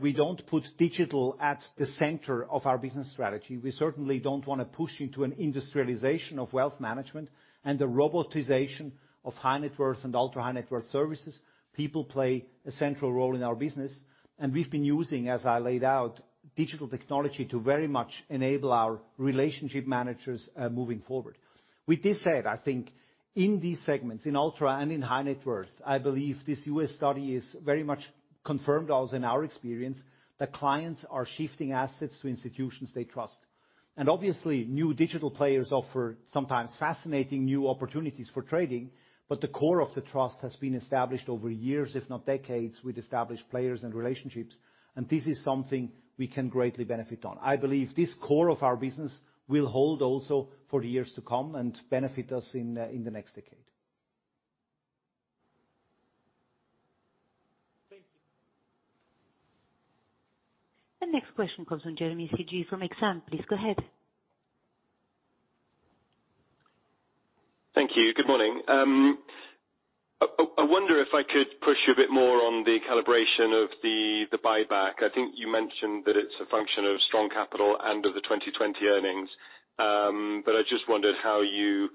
We don't put digital at the center of our business strategy. We certainly don't wanna push into an industrialization of wealth management and the robotization of high net worth and ultra-high net worth services. People play a central role in our business, and we've been using, as I laid out, digital technology to very much enable our relationship managers, moving forward. With this said, I think in these segments, in ultra and in high net worth, I believe this U.S. study has very much confirmed also in our experience that clients are shifting assets to institutions they trust. Obviously, new digital players offer sometimes fascinating new opportunities for trading, but the core of the trust has been established over years, if not decades, with established players and relationships, and this is something we can greatly benefit on. I believe this core of our business will hold also for the years to come and benefit us in the next decade. Thank you. The next question comes from Jeremy Sigee from Exane. Please go ahead. Thank you. Good morning. I wonder if I could push you a bit more on the calibration of the buyback. I think you mentioned that it's a function of strong capital and of the 2020 earnings. I just wondered how you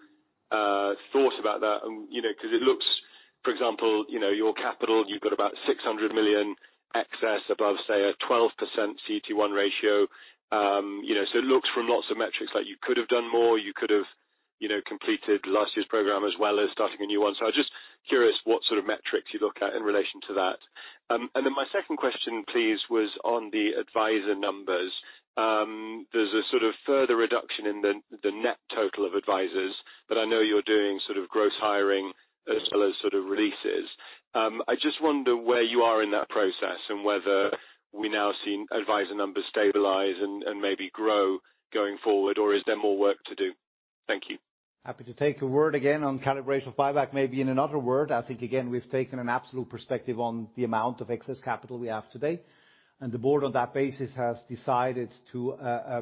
thought about that and, you know, 'cause it looks, for example, you know, your capital, you've got about 600 million excess above, say, a 12% CET1 ratio. You know, it looks from lots of metrics like you could have done more, you could have, you know, completed last year's program as well as starting a new one. I was just curious what sort of metrics you look at in relation to that. My second question, please, was on the advisor numbers. There's a sort of further reduction in the net total of advisors, but I know you're doing sort of gross hiring as well as sort of releases. I just wonder where you are in that process and whether we now see advisor numbers stabilize and maybe grow going forward, or is there more work to do? Thank you. Happy to take a word again on calibration of buyback, maybe in another word. I think again, we've taken an absolute perspective on the amount of excess capital we have today, and the board on that basis has decided to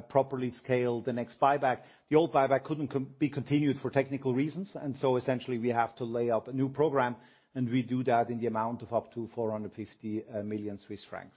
properly scale the next buyback. The old buyback couldn't be continued for technical reasons, essentially we have to lay up a new program, and we do that in the amount of up to 450 million Swiss francs.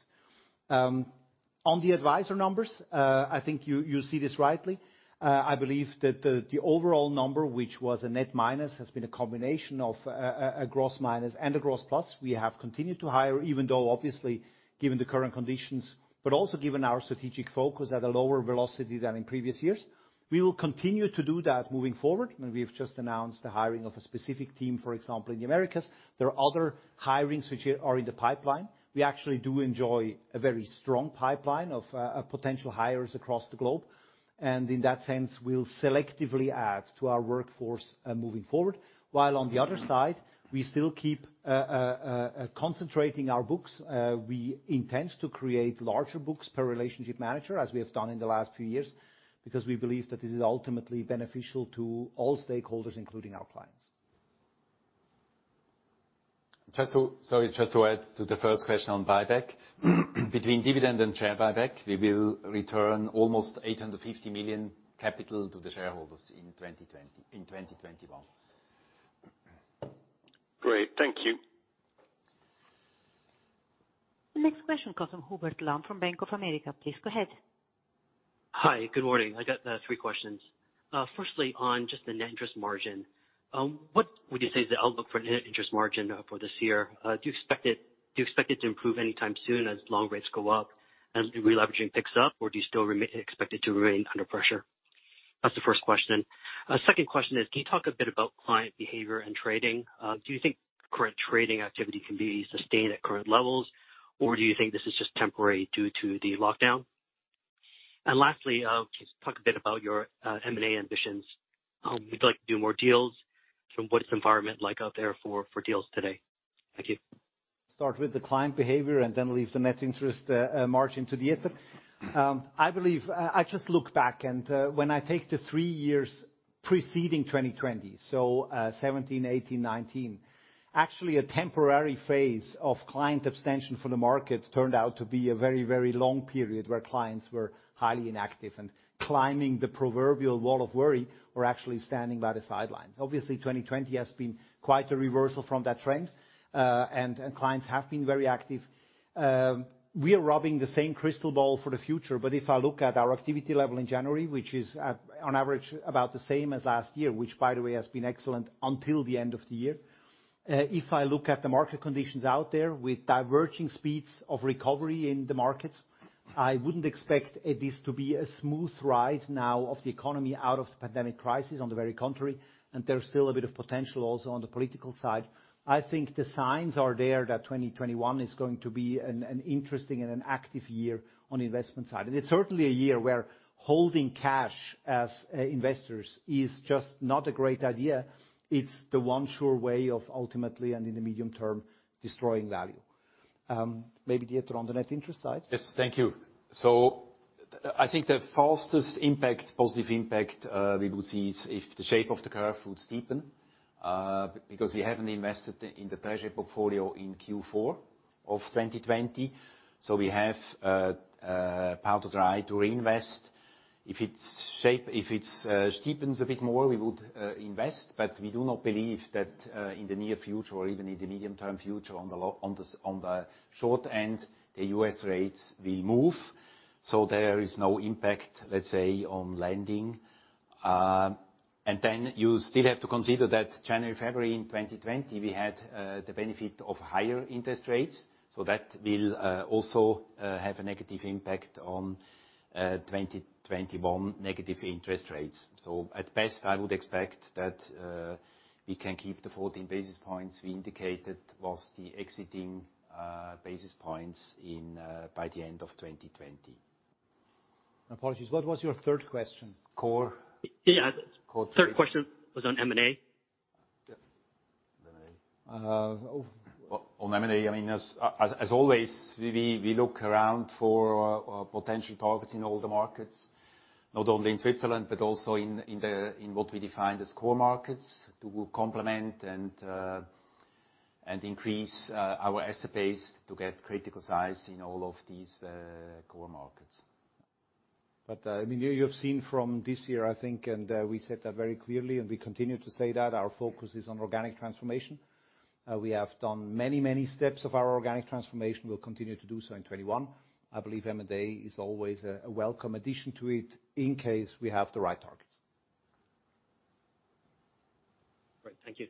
On the advisor numbers, I think you see this rightly. I believe that the overall number, which was a net minus, has been a combination of a gross minus and a gross plus. We have continued to hire, even though obviously, given the current conditions, but also given our strategic focus at a lower velocity than in previous years. We will continue to do that moving forward, and we have just announced the hiring of a specific team, for example, in the Americas. There are other hirings which are in the pipeline. We actually do enjoy a very strong pipeline of potential hires across the globe. In that sense, will selectively add to our workforce moving forward. While on the other side, we still keep concentrating our books. We intend to create larger books per relationship manager, as we have done in the last few years, because we believe that this is ultimately beneficial to all stakeholders, including our clients. Sorry, just to add to the first question on buyback. Between dividend and share buyback, we will return almost 850 million capital to the shareholders in 2020, in 2021. Great. Thank you. The next question comes from Hubert Lam from Bank of America. Please go ahead. Hi. Good morning. I got three questions. Firstly, on just the net interest margin, what would you say is the outlook for net interest margin for this year? Do you expect it to improve anytime soon as long rates go up and releveraging picks up, or do you still expect it to remain under pressure? That's the first question. Second question is, can you talk a bit about client behavior and trading? Do you think current trading activity can be sustained at current levels, or do you think this is just temporary due to the lockdown? Lastly, can you talk a bit about your M&A ambitions? Would you like to do more deals? What is the environment like out there for deals today? Thank you. Start with the client behavior and then leave the net interest margin to Dieter. I believe I just look back, when I take the three years preceding 2020, 17, 18, 19, actually a temporary phase of client abstention from the market turned out to be a very, very long period where clients were highly inactive and climbing the proverbial wall of worry or actually standing by the sidelines. Obviously, 2020 has been quite a reversal from that trend. Clients have been very active. We are rubbing the same crystal ball for the future, but if I look at our activity level in January, which is at, on average, about the same as last year, which by the way, has been excellent until the end of the year. If I look at the market conditions out there with diverging speeds of recovery in the markets, I wouldn't expect this to be a smooth ride now of the economy out of the pandemic crisis. On the very contrary, there's still a bit of potential also on the political side. I think the signs are there that 2021 is going to be an interesting and an active year on investment side. It's certainly a year where holding cash as investors is just not a great idea. It's the one sure way of ultimately, and in the medium term, destroying value. Maybe Dieter on the net interest side. Yes. Thank you. I think the fastest impact, positive impact, we would see is if the shape of the curve would steepen, because we haven't invested in the treasury portfolio in Q4 of 2020, we have powder dry to reinvest. If it steepens a bit more, we would invest, but we do not believe that in the near future or even in the medium-term future, on the short end, the US rates will move, so there is no impact, let's say, on lending. Then you still have to consider that January, February in 2020, we had the benefit of higher interest rates, so that will also have a negative impact on 2021 negative interest rates. At best, I would expect that we can keep the 14 basis points we indicated was the exiting basis points in by the end of 2020. Apologies, what was your third question? Core. Yeah. Core. Third question was on M&A. Yeah. M&A. On M&A, I mean, as always, we look around for potential targets in all the markets, not only in Switzerland, but also in what we define as core markets to complement and increase our AUMs to get critical size in all of these core markets. I mean, you've seen from this year, I think, and we said that very clearly, and we continue to say that our focus is on organic transformation. We have done many steps of our organic transformation. We'll continue to do so in 21. I believe M&A is always a welcome addition to it in case we have the right targets. Great. Thank you.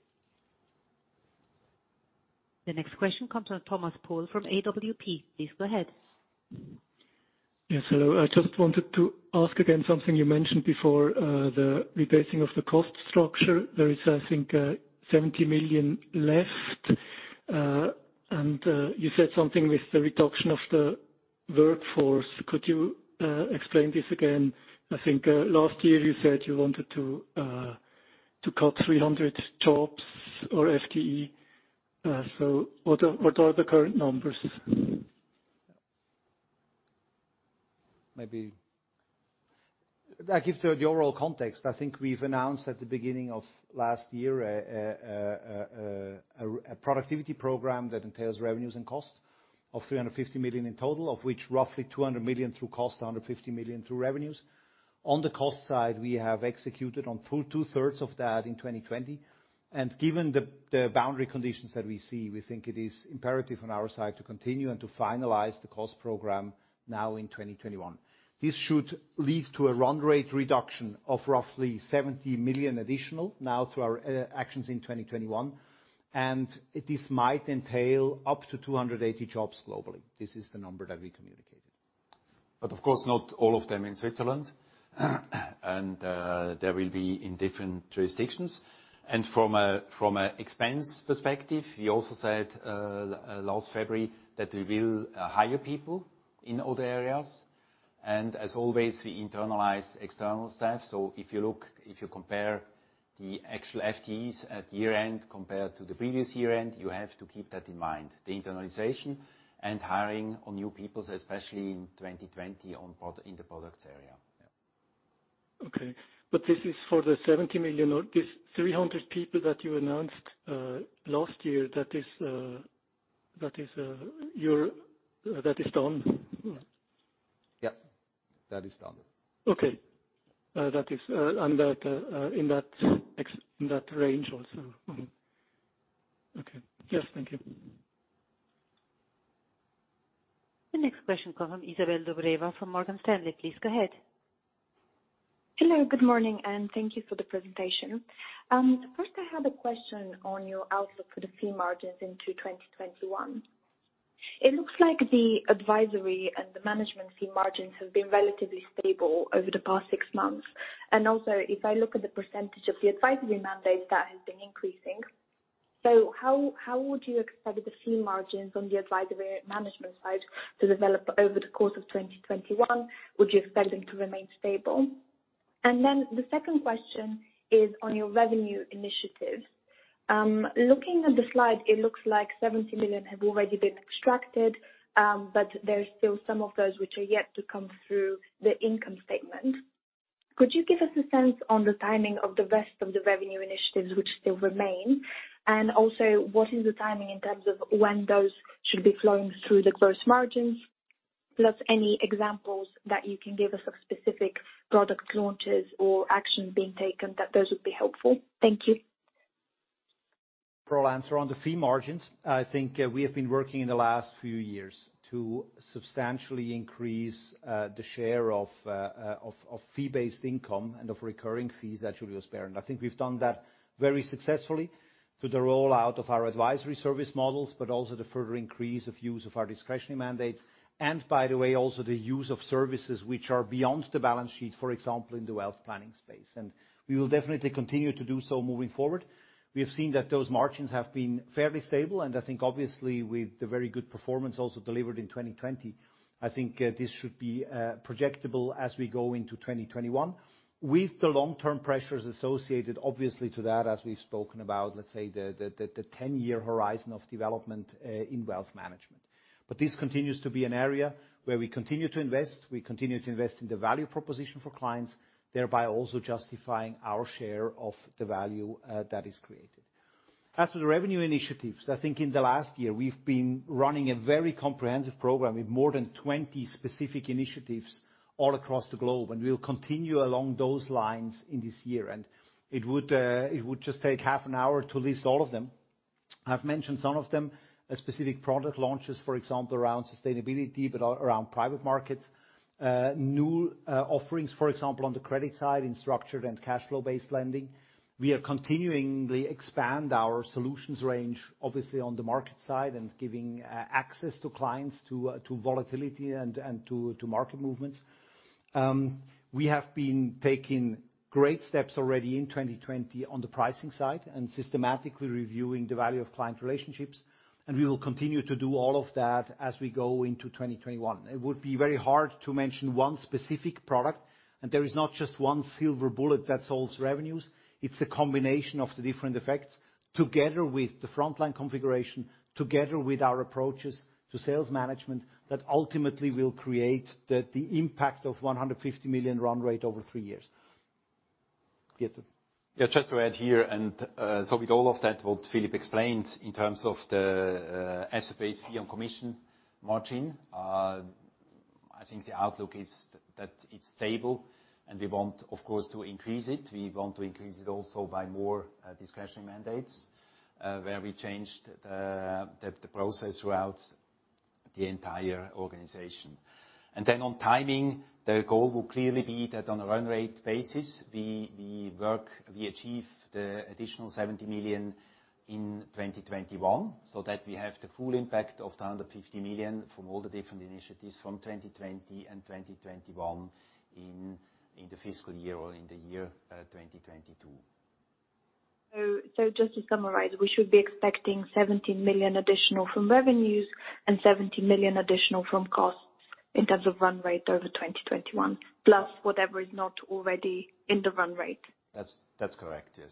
The next question comes from Thomas Pohl from AWP. Please go ahead. Yes, hello. I just wanted to ask again something you mentioned before, the rebasing of the cost structure. There is, I think, 70 million left, and you said something with the reduction of the workforce. Could you explain this again? I think, last year you said you wanted to cut 300 jobs or FTE. What are the current numbers? Maybe I'll give the overall context. I think we've announced at the beginning of last year a productivity program that entails revenues and costs of 350 million in total, of which roughly 200 million through costs, 150 million through revenues. On the cost side, we have executed on full two-thirds of that in 2020. Given the boundary conditions that we see, we think it is imperative on our side to continue and to finalize the cost program now in 2021. This should lead to a run rate reduction of roughly 70 million additional now through our actions in 2021. This might entail up to 280 jobs globally. This is the number that we communicated. Of course not all of them in Switzerland. There will be in different jurisdictions. From an expense perspective, we also said last February that we will hire people in other areas. As always, we internalize external staff. If you compare the actual FTEs at year-end compared to the previous year-end, you have to keep that in mind, the internalization and hiring of new people, especially in 2020 in the products area. Yeah. Okay. This is for the 70 million or this 300 people that you announced last year. That is done. Yeah, that is done. Okay. That is, and that, in that range also. Okay. Yes. Thank you. The next question comes from Izabel Dobreva from Morgan Stanley. Please go ahead. Hello, good morning, and thank you for the presentation. First I had a question on your outlook for the fee margins into 2021. It looks like the advisory and the management fee margins have been relatively stable over the past six months. Also, if I look at the percentage of the advisory mandate, that has been increasing. How would you expect the fee margins on the advisory management side to develop over the course of 2021? Would you expect them to remain stable? The second question is on your revenue initiative. Looking at the slide, it looks like 70 million have already been extracted, but there are still some of those which are yet to come through the income statement. Could you give us a sense on the timing of the rest of the revenue initiatives which still remain? Also, what is the timing in terms of when those should be flowing through the gross margins, plus any examples that you can give us of specific product launches or actions being taken, that those would be helpful? Thank you. For answer on the fee margins. I think we have been working in the last few years to substantially increase the share of fee-based income and of recurring fees at Julius Baer. I think we've done that very successfully through the rollout of our advisory service models, but also the further increase of use of our discretionary mandates. By the way, also the use of services which are beyond the balance sheet, for example, in the wealth planning space. We will definitely continue to do so moving forward. We have seen that those margins have been fairly stable, and I think obviously with the very good performance also delivered in 2020, I think, this should be projectable as we go into 2021. With the long-term pressures associated, obviously to that, as we've spoken about, let's say, the ten-year horizon of development in wealth management. This continues to be an area where we continue to invest. We continue to invest in the value proposition for clients, thereby also justifying our share of the value that is created. As for the revenue initiatives, I think in the last year, we've been running a very comprehensive program with more than 20 specific initiatives all across the globe, and we'll continue along those lines in this year. It would just take half an hour to list all of them. I've mentioned some of them, specific product launches, for example, around sustainability, but around private markets. New offerings, for example, on the credit side in structured and cash flow-based lending. We are continuing to expand our solutions range, obviously on the market side and giving access to clients to volatility and market movements. We have been taking great steps already in 2020 on the pricing side and systematically reviewing the value of client relationships, and we will continue to do all of that as we go into 2021. It would be very hard to mention one specific product. There is not just one silver bullet that solves revenues. It's a combination of the different effects together with the frontline configuration, together with our approaches to sales management that ultimately will create the impact of 150 million run rate over three years. Dieter. Just to add here. With all of that, what Philipp explained in terms of the asset-based fee on commission margin, I think the outlook is that it's stable and we want, of course, to increase it. We want to increase it also by more discretionary mandates, where we changed the process throughout the entire organization. On timing, the goal will clearly be that on a run rate basis, we achieve the additional 70 million in 2021, so that we have the full impact of the 150 million from all the different initiatives from 2020 and 2021 in the fiscal year or in the year 2022. Just to summarize, we should be expecting 17 million additional from revenues and 70 million additional from costs in terms of run rate over 2021, plus whatever is not already in the run rate. That's correct, yes.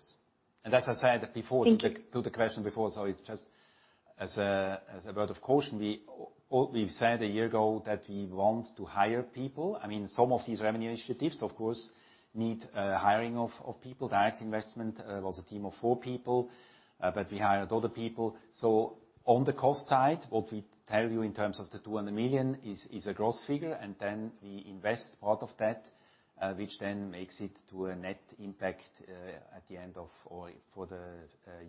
As I said before. Thank you. To the question before, it's just as a word of caution, we've said a year ago that we want to hire people. I mean, some of these revenue initiatives, of course. Need hiring of people. Direct investment was a team of 4 people, but we hired other people. On the cost side, what we tell you in terms of the 200 million is a gross figure. We invest part of that, which then makes it to a net impact at the end of or for the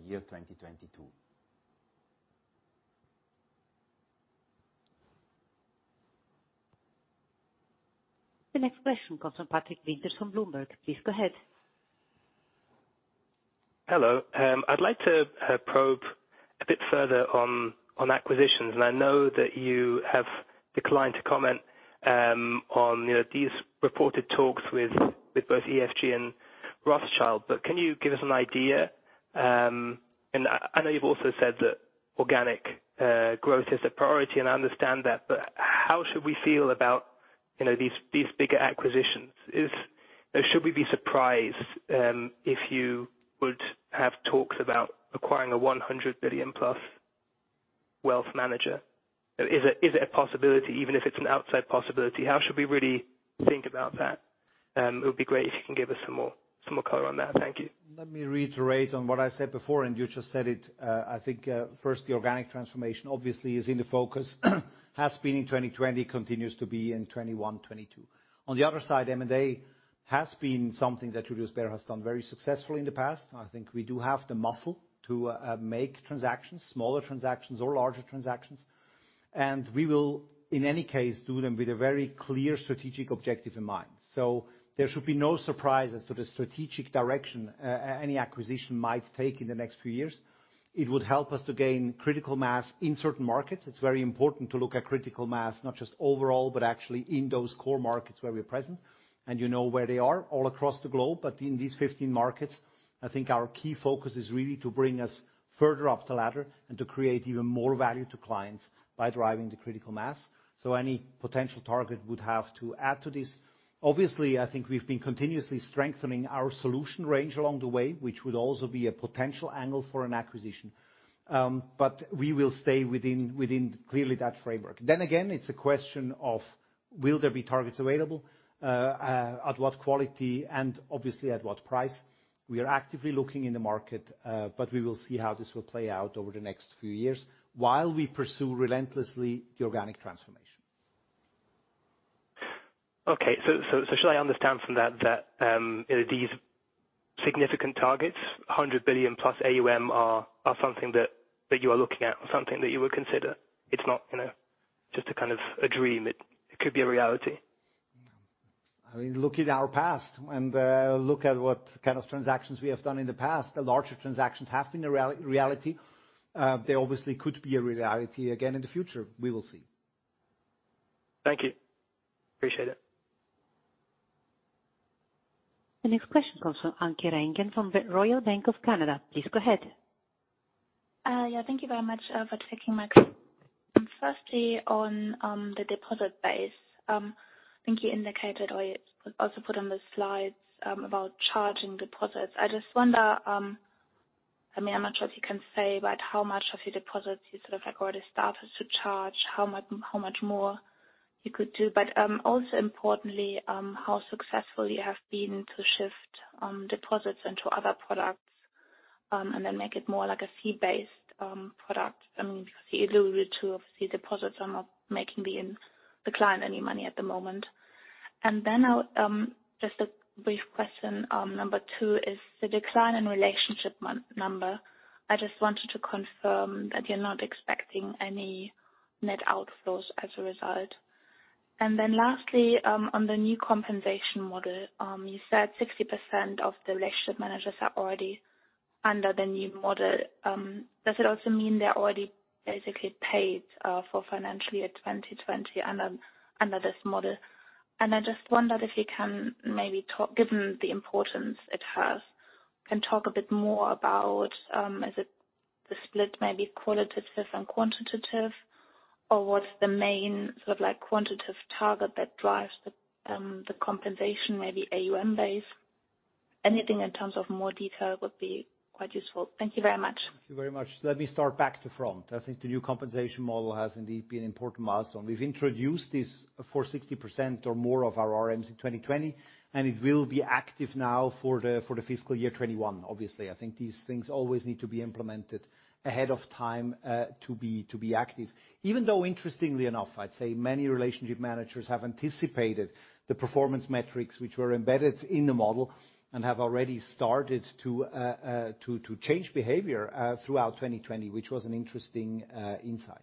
year 2022. The next question comes from Patrick Winters from Bloomberg. Please go ahead. Hello. I'd like to probe a bit further on acquisitions. I know that you have declined to comment on, you know, these reported talks with both EFG and Rothschild. Can you give us an idea? I know you've also said that organic growth is a priority, and I understand that, but how should we feel about, you know, these bigger acquisitions? Should we be surprised if you would have talks about acquiring a 100 billion plus wealth manager? Is it a possibility even if it's an outside possibility? How should we really think about that? It would be great if you can give us some more color on that. Thank you. Let me reiterate on what I said before, and you just said it. First, the organic transformation obviously is in the focus. Has been in 2020, continues to be in 21, 22. On the other side, M&A has been something that Julius Baer has done very successfully in the past. We do have the muscle to make transactions, smaller transactions or larger transactions. We will, in any case, do them with a very clear strategic objective in mind. There should be no surprise as to the strategic direction any acquisition might take in the next few years. It would help us to gain critical mass in certain markets. It's very important to look at critical mass, not just overall, but actually in those core markets where we're present. You know where they are all across the globe. In these 15 markets, I think our key focus is really to bring us further up the ladder and to create even more value to clients by driving the critical mass. Any potential target would have to add to this. Obviously, I think we've been continuously strengthening our solution range along the way, which would also be a potential angle for an acquisition. We will stay within clearly that framework. Again, it's a question of will there be targets available at what quality and obviously at what price. We are actively looking in the market, but we will see how this will play out over the next few years while we pursue relentlessly the organic transformation. Okay. Should I understand from that these significant targets, 100 billion plus AUM are something that you are looking at or something that you would consider? It's not, you know, just a kind of a dream. It could be a reality. I mean, look at our past and look at what kind of transactions we have done in the past. The larger transactions have been a reality. They obviously could be a reality again in the future. We will see. Thank you. Appreciate it. The next question comes from Anke Reingen from the Royal Bank of Canada. Please go ahead. Yeah, thank you very much for taking my question. Firstly, on the deposit base, I think you indicated or you also put on the slides about charging deposits. I just wonder, I mean, I'm not sure if you can say, but how much of your deposits you sort of like already started to charge? How much more you could do? Also importantly, how successful you have been to shift deposits into other products and then make it more like a fee-based product. I mean, you alluded to obviously deposits are not making the client any money at the moment. Then, just a brief question, number two is the decline in relationship number. I just wanted to confirm that you're not expecting any net outflows as a result. Lastly, on the new compensation model, you said 60% of the relationship managers are already under the new model. Does it also mean they're already basically paid for financially at 2020 under this model? I just wondered if you can maybe talk, given the importance it has, can talk a bit more about, is it the split maybe qualitative and quantitative, or what's the main sort of like quantitative target that drives the compensation, maybe AUM based? Anything in terms of more detail would be quite useful. Thank you very much. Thank you very much. Let me start back to front. I think the new compensation model has indeed been an important milestone. We've introduced this for 60% or more of our RMs in 2020, and it will be active now for the fiscal year 2021. Obviously, I think these things always need to be implemented ahead of time to be active. Even though, interestingly enough, I'd say many relationship managers have anticipated the performance metrics which were embedded in the model and have already started to change behavior throughout 2020, which was an interesting insight.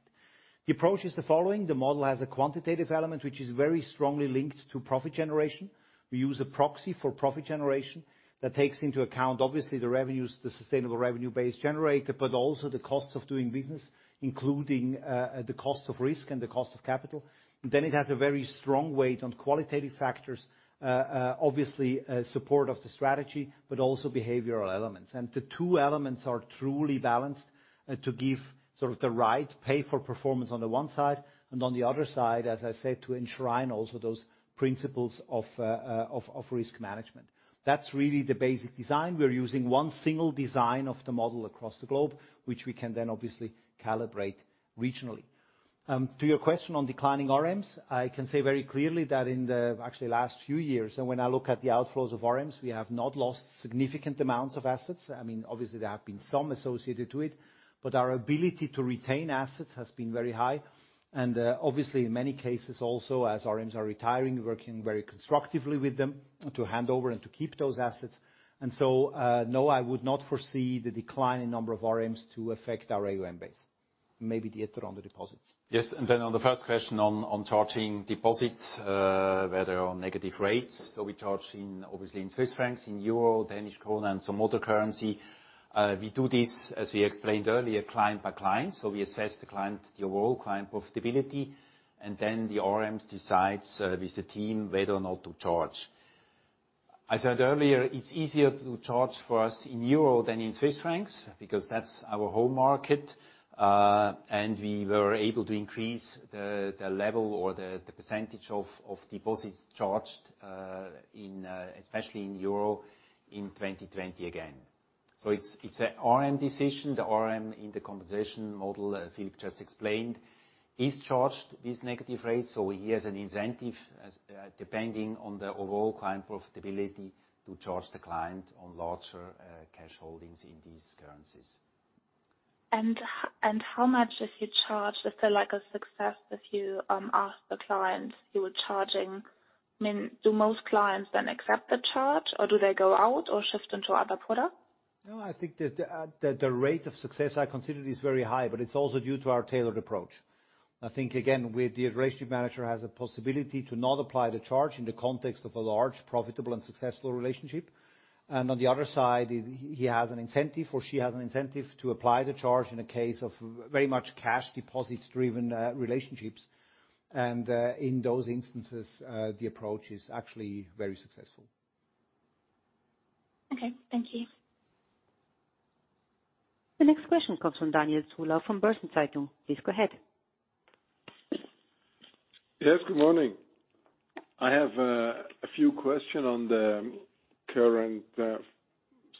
The approach is the following: The model has a quantitative element, which is very strongly linked to profit generation. We use a proxy for profit generation that takes into account obviously the revenues, the sustainable revenue base generated, but also the cost of doing business, including the cost of risk and the cost of capital. It has a very strong weight on qualitative factors, obviously, support of the strategy, but also behavioral elements. The two elements are truly balanced to give sort of the right pay for performance on the one side, and on the other side, as I said, to enshrine also those principles of risk management. That's really the basic design. We're using one single design of the model across the globe, which we can then obviously calibrate regionally. To your question on declining RMs, I can say very clearly that in the actually last few years and when I look at the outflows of RMs, we have not lost significant amounts of assets. I mean, obviously there have been some associated to it, our ability to retain assets has been very high. Obviously in many cases also as RMs are retiring, working very constructively with them to hand over and to keep those assets. No, I would not foresee the decline in number of RMs to affect our AUM base. Maybe Dieter on the deposits. Yes. Then on the first question on charging deposits, whether on negative rates. We charge in, obviously in Swiss francs, in euro, Danish krone, and some other currency. We do this, as we explained earlier, client by client. We assess the client, the overall client profitability, and then the RMs decides, with the team whether or not to charge. I said earlier, it's easier to charge for us in euro than in Swiss francs because that's our home market. And we were able to increase the level or the percentage of deposits charged, in especially in euro in 2020 again. It's a RM decision. The RM in the compensation model, Philipp just explained, is charged these negative rates, so he has an incentive as, depending on the overall client profitability to charge the client on larger, cash holdings in these currencies. How much if you charge? Is there like a success if you ask the clients you were charging? I mean, do most clients then accept the charge, or do they go out or shift into other product? No, I think the rate of success I consider is very high, but it's also due to our tailored approach. I think again, with the relationship manager has a possibility to not apply the charge in the context of a large, profitable and successful relationship. On the other side, he has an incentive, or she has an incentive to apply the charge in a case of very much cash deposits-driven relationships. In those instances, the approach is actually very successful. Okay. Thank you. The next question comes from [Daniel Tuor] from Börsen-Zeitung. Please go ahead. Yes, good morning. I have a few question on the current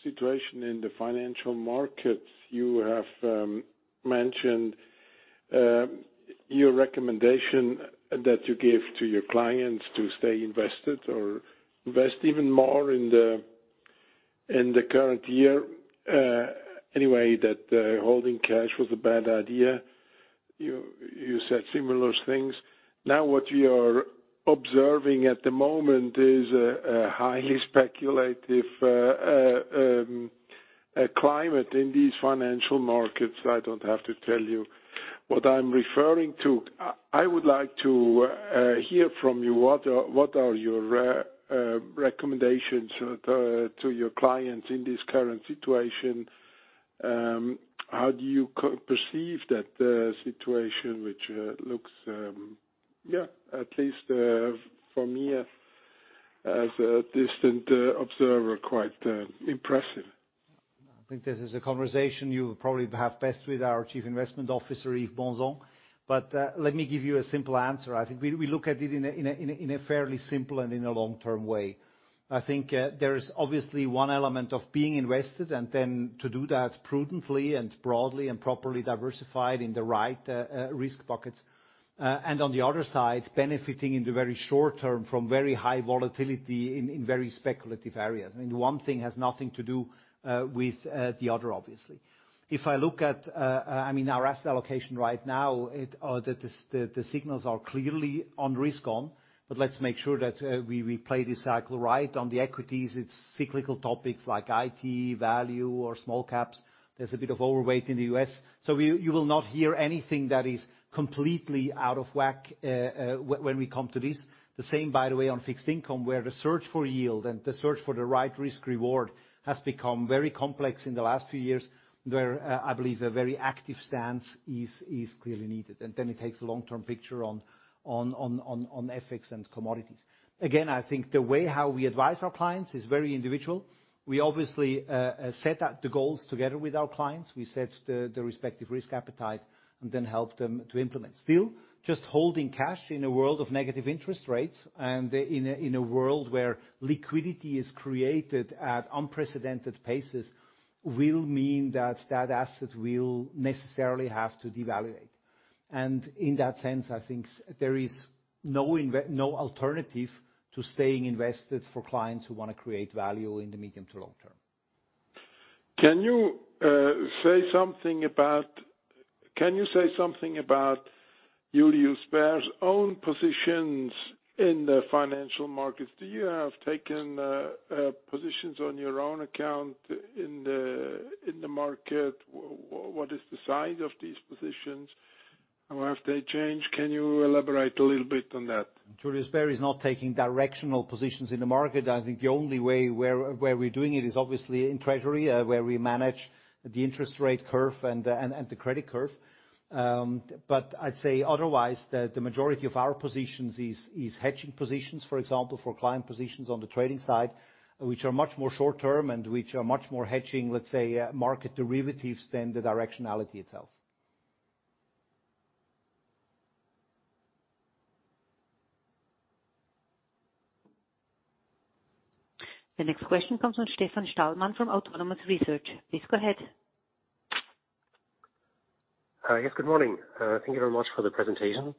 situation in the financial markets. You have mentioned your recommendation that you give to your clients to stay invested or invest even more in the current year. Anyway that holding cash was a bad idea. You said similar things. What you are observing at the moment is a highly speculative climate in these financial markets. I don't have to tell you what I'm referring to. I would like to hear from you what are your recommendations to your clients in this current situation? How do you perceive that situation, which looks, at least for me as a distant observer, quite impressive. I think this is a conversation you probably have best with our Chief Investment Officer, Yves Bonzon. Let me give you a simple answer. I think we look at it in a fairly simple and in a long-term way. I think there is obviously one element of being invested, and then to do that prudently and broadly and properly diversified in the right risk buckets. On the other side, benefiting in the very short term from very high volatility in very speculative areas. I mean, one thing has nothing to do with the other, obviously. If I look at, I mean, our asset allocation right now, the signals are clearly on risk on, let's make sure that we play this cycle right. On the equities, it's cyclical topics like IT, value, or small caps. There's a bit of overweight in the U.S. You will not hear anything that is completely out of whack when we come to this. The same, by the way, on fixed income, where the search for yield and the search for the right risk reward has become very complex in the last few years, where I believe a very active stance is clearly needed. It takes a long-term picture on FX and commodities. Again, I think the way how we advise our clients is very individual. We obviously set up the goals together with our clients. We set the respective risk appetite and then help them to implement. Still, just holding cash in a world of negative interest rates and in a world where liquidity is created at unprecedented paces will mean that that asset will necessarily have to devaluate. In that sense, I think there is no alternative to staying invested for clients who wanna create value in the medium to long term. Can you say something about Julius Baer's own positions in the financial markets? Do you have taken positions on your own account in the market? What is the size of these positions, and have they changed? Can you elaborate a little bit on that? Julius Baer is not taking directional positions in the market. I think the only way where we're doing it is obviously in treasury, where we manage the interest rate curve and the credit curve. I'd say otherwise, the majority of our positions is hedging positions, for example, for client positions on the trading side, which are much more short term and which are much more hedging, let's say, market derivatives than the directionality itself. The next question comes from Stefan Stalmann from Autonomous Research. Please go ahead. Yes. Good morning. Thank you very much for the presentation.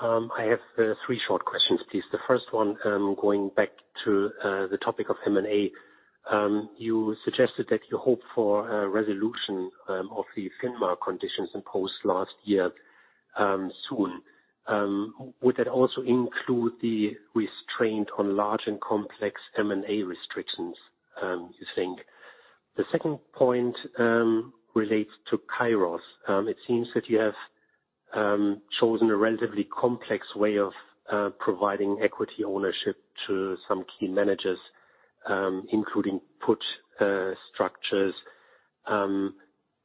I have 3 short questions, please. The first one, going back to the topic of M&A. You suggested that you hope for a resolution of the FINMA conditions imposed last year, soon. Would that also include the restraint on large and complex M&A restrictions, you think? The second point relates to Kairos. It seems that you have chosen a relatively complex way of providing equity ownership to some key managers, including put structures.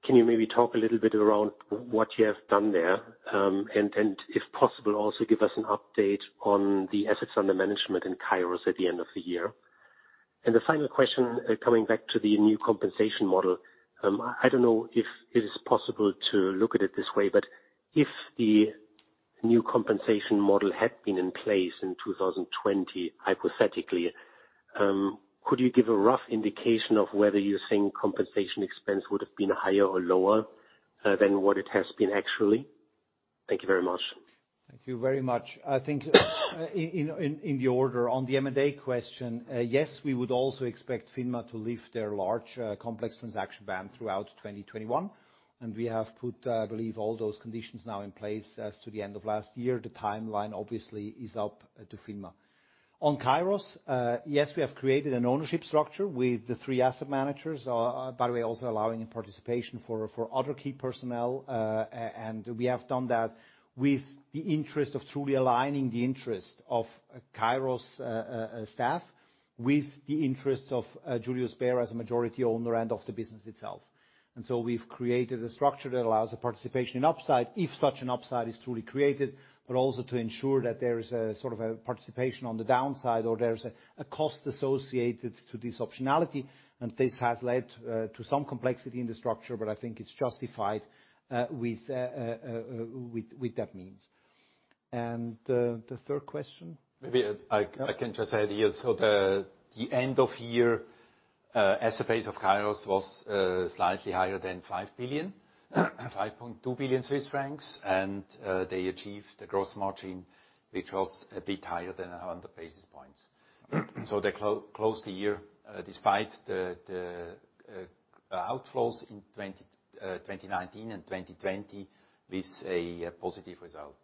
Can you maybe talk a little bit around what you have done there? And if possible, also give us an update on the assets under management in Kairos at the end of the year. The final question, coming back to the new compensation model. I don't know if it is possible to look at it this way, but if the new compensation model had been in place in 2020, hypothetically, could you give a rough indication of whether you think compensation expense would have been higher or lower than what it has been actually? Thank you very much. Thank you very much. I think in the order on the M&A question, yes, we would also expect FINMA to lift their large, complex transaction ban throughout 2021. We have put, I believe all those conditions now in place as to the end of last year. The timeline, obviously, is up to FINMA. On Kairos, yes, we have created an ownership structure with the three asset managers. By the way, also allowing a participation for other key personnel. And we have done that with the interest of truly aligning the interest of Kairos staff with the interests of Julius Baer as a majority owner and of the business itself. We've created a structure that allows a participation in upside if such an upside is truly created, but also to ensure that there is a sort of a participation on the downside or there's a cost associated to this optionality. This has led to some complexity in the structure, but I think it's justified with that means. The third question? Maybe I can just add here. The end of year asset base of Kairos was slightly higher than 5 billion, 5.2 billion Swiss francs. They achieved a gross margin which was a bit higher than 100 basis points. They closed the year despite the outflows in 2019 and 2020, with a positive result.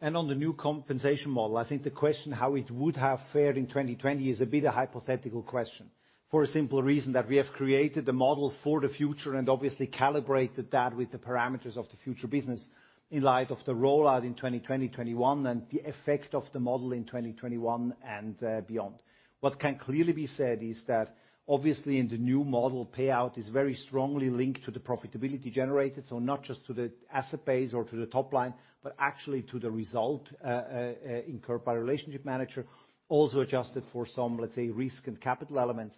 On the new compensation model, I think the question, how it would have fared in 2020 is a bit a hypothetical question for a simple reason that we have created a model for the future and obviously calibrated that with the parameters of the future business in light of the rollout in 2020, 2021, and the effect of the model in 2021 and beyond. What can clearly be said is that obviously in the new model, payout is very strongly linked to the profitability generated, so not just to the asset base or to the top line, but actually to the result incurred by relationship manager, also adjusted for some, let's say, risk and capital elements.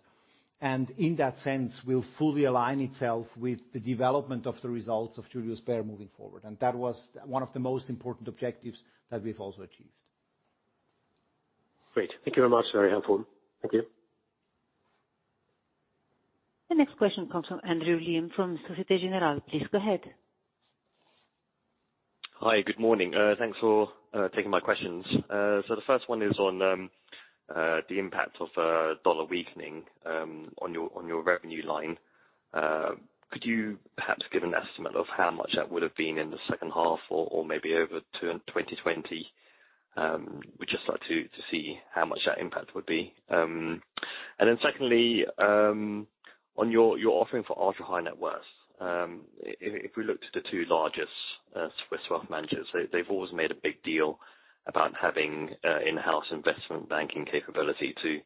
In that sense, will fully align itself with the development of the results of Julius Baer moving forward. That was one of the most important objectives that we've also achieved. Great. Thank you very much. Very helpful. Thank you. The next question comes from Andrew Lim from Societe Generale. Please go ahead. Hi, good morning. Thanks for taking my questions. The first one is on the impact of dollar weakening on your revenue line. Could you perhaps give an estimate of how much that would have been in the second half or maybe over 2020? We'd just like to see how much that impact would be. Secondly, on your offering for ultra high net worth. If we look to the two largest Swiss wealth managers, they've always made a big deal about having in-house investment banking capability to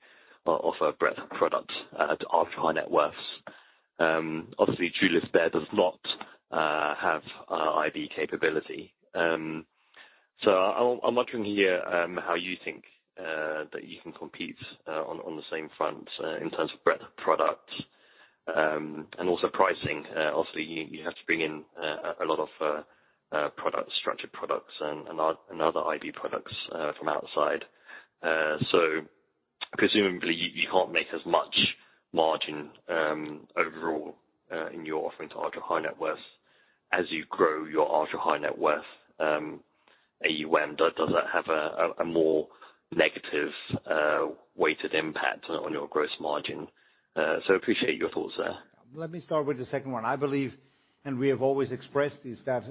offer a breadth of product to ultra high net worth. Obviously, Julius Baer does not have IB capability. I'm looking to hear how you think that you can compete on the same front in terms of breadth of product and also pricing. Obviously, you have to bring in a lot of products, structured products and other IB products from outside. Presumably you can't make as much margin overall in your offering to ultra high net worth. As you grow your ultra high net worth AUM, does that have a more negative weighted impact on your gross margin? Appreciate your thoughts there. Let me start with the second one. I believe, and we have always expressed this, that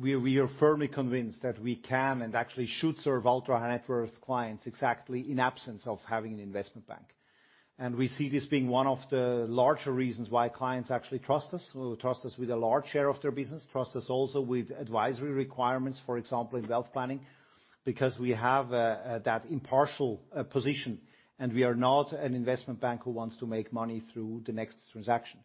we are firmly convinced that we can and actually should serve ultra high net worth clients exactly in absence of having an investment bank. We see this being one of the larger reasons why clients actually trust us, trust us with a large share of their business, trust us also with advisory requirements, for example, in wealth planning, because we have that impartial position. We are not an investment bank who wants to make money through the next transaction.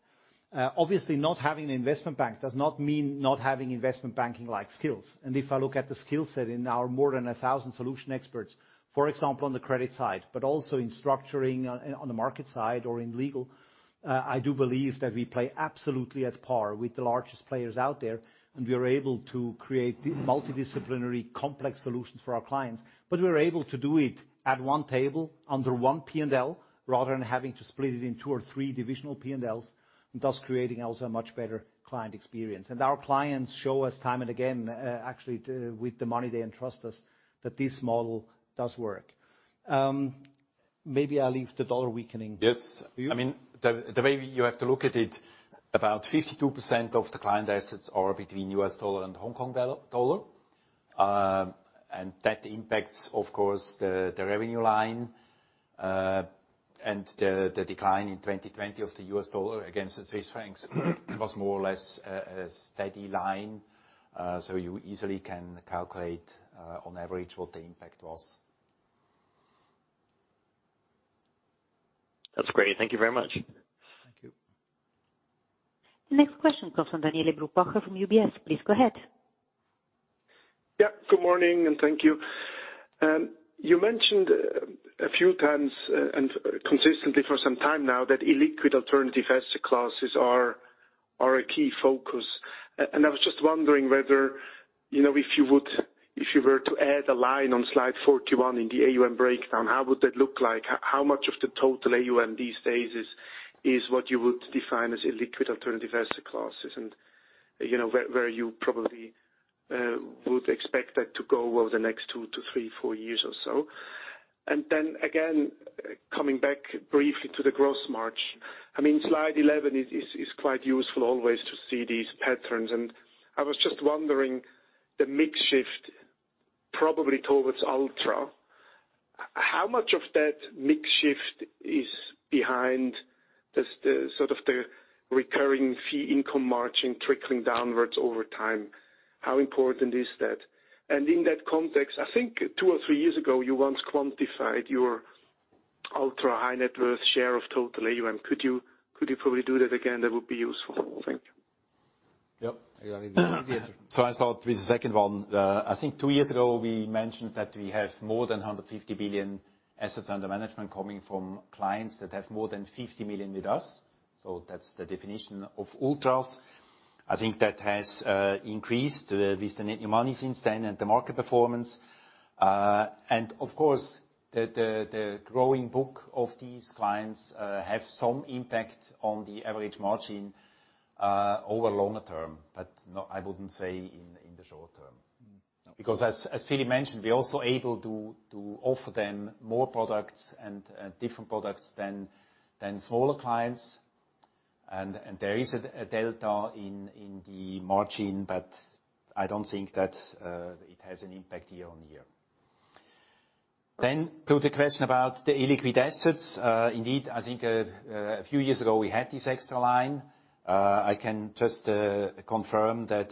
Obviously, not having an investment bank does not mean not having investment banking-like skills. If I look at the skill set in our more than 1,000 solution experts, for example, on the credit side, but also in structuring on the market side or in legal, I do believe that we play absolutely at par with the largest players out there. We are able to create these multidisciplinary complex solutions for our clients. We're able to do it at one table under one P&L, rather than having to split it in two or three divisional P&Ls, thus creating also a much better client experience. Our clients show us time and again, actually with the money they entrust us, that this model does work. Maybe I'll leave the U.S. dollar weakening. Yes. Thank you. I mean, the way you have to look at it, about 52% of the client assets are between U.S. dollar and Hong Kong dollar. That impacts, of course, the revenue line. The decline in 2020 of the U.S. dollar against the Swiss francs was more or less a steady line. You easily can calculate on average what the impact was. That's great. Thank you very much. Thank you. The next question comes from Daniele Brupbacher from UBS. Please go ahead. Yeah, good morning, and thank you. You mentioned a few times, and consistently for some time now that illiquid alternative asset classes are a key focus. I was just wondering whether, you know, if you were to add a line on slide 41 in the AUM breakdown, how would that look like? How much of the total AUM these days is what you would define as illiquid alternative asset classes? You know, where you probably would expect that to go over the next two to three, four years or so. Then again, coming back briefly to the gross margin. I mean, slide 11 is quite useful always to see these patterns. I was just wondering the mix shift probably towards ultra. How much of that mix shift is behind the sort of the recurring fee income margin trickling downwards over time? How important is that? In that context, I think two or three years ago, you once quantified your ultra-high net worth share of total AUM. Could you probably do that again? That would be useful. Thank you. Yep. You want me to take it? I'll start with the second one. I think two years ago we mentioned that we have more than 150 billion assets under management coming from clients that have more than 50 million with us. That's the definition of ultras. I think that has increased with the net new money since then and the market performance. Of course, the growing book of these clients have some impact on the average margin over longer term, but no, I wouldn't say in the short term. No. Because as Philipp mentioned, we're also able to offer them more products and different products than smaller clients. There is a delta in the margin, but I don't think that it has an impact year on year. To the question about the illiquid assets. Indeed, I think a few years ago, we had this extra line. I can just confirm that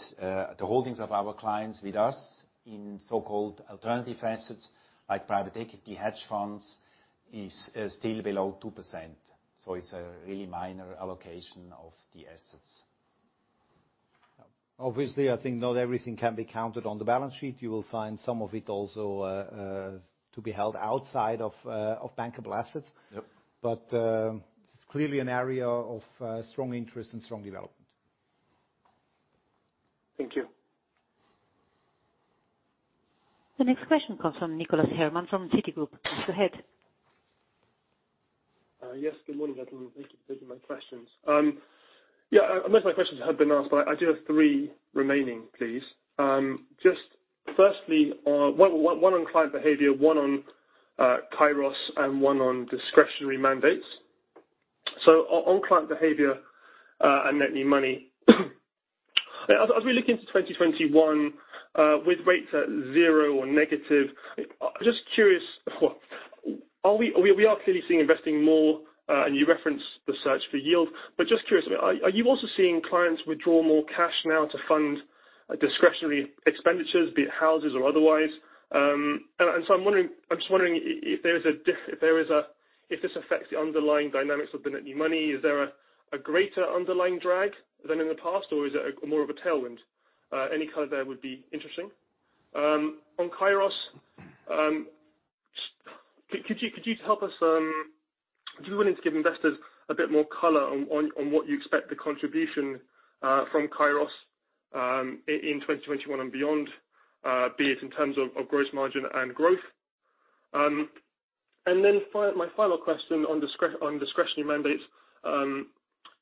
the holdings of our clients with us in so-called alternative assets, like private equity hedge funds, is still below 2%. So it's a really minor allocation of the assets. Obviously, I think not everything can be counted on the balance sheet. You will find some of it also to be held outside of bankable assets. Yep. It's clearly an area of strong interest and strong development. Thank you. The next question comes from Nicholas Herman from Citigroup. Please go ahead. Yes. Good morning, everyone. Thank you for taking my questions. Yeah, most of my questions have been asked, but I do have three remaining, please. Just firstly, one on client behavior, one on Kairos, and one on discretionary mandates. On client behavior, and net new money. As we look into 2021, with rates at zero or negative, I'm just curious, are we clearly seeing investing more, and you referenced the search for yield. Just curious, are you also seeing clients withdraw more cash now to fund discretionary expenditures, be it houses or otherwise? I'm just wondering if this affects the underlying dynamics of the net new money. Is there a greater underlying drag than in the past, or is it more of a tailwind? Any color there would be interesting. On Kairos, could you help us if you're willing to give investors a bit more color on what you expect the contribution from Kairos in 2021 and beyond, be it in terms of gross margin and growth. My final question on discretionary mandates.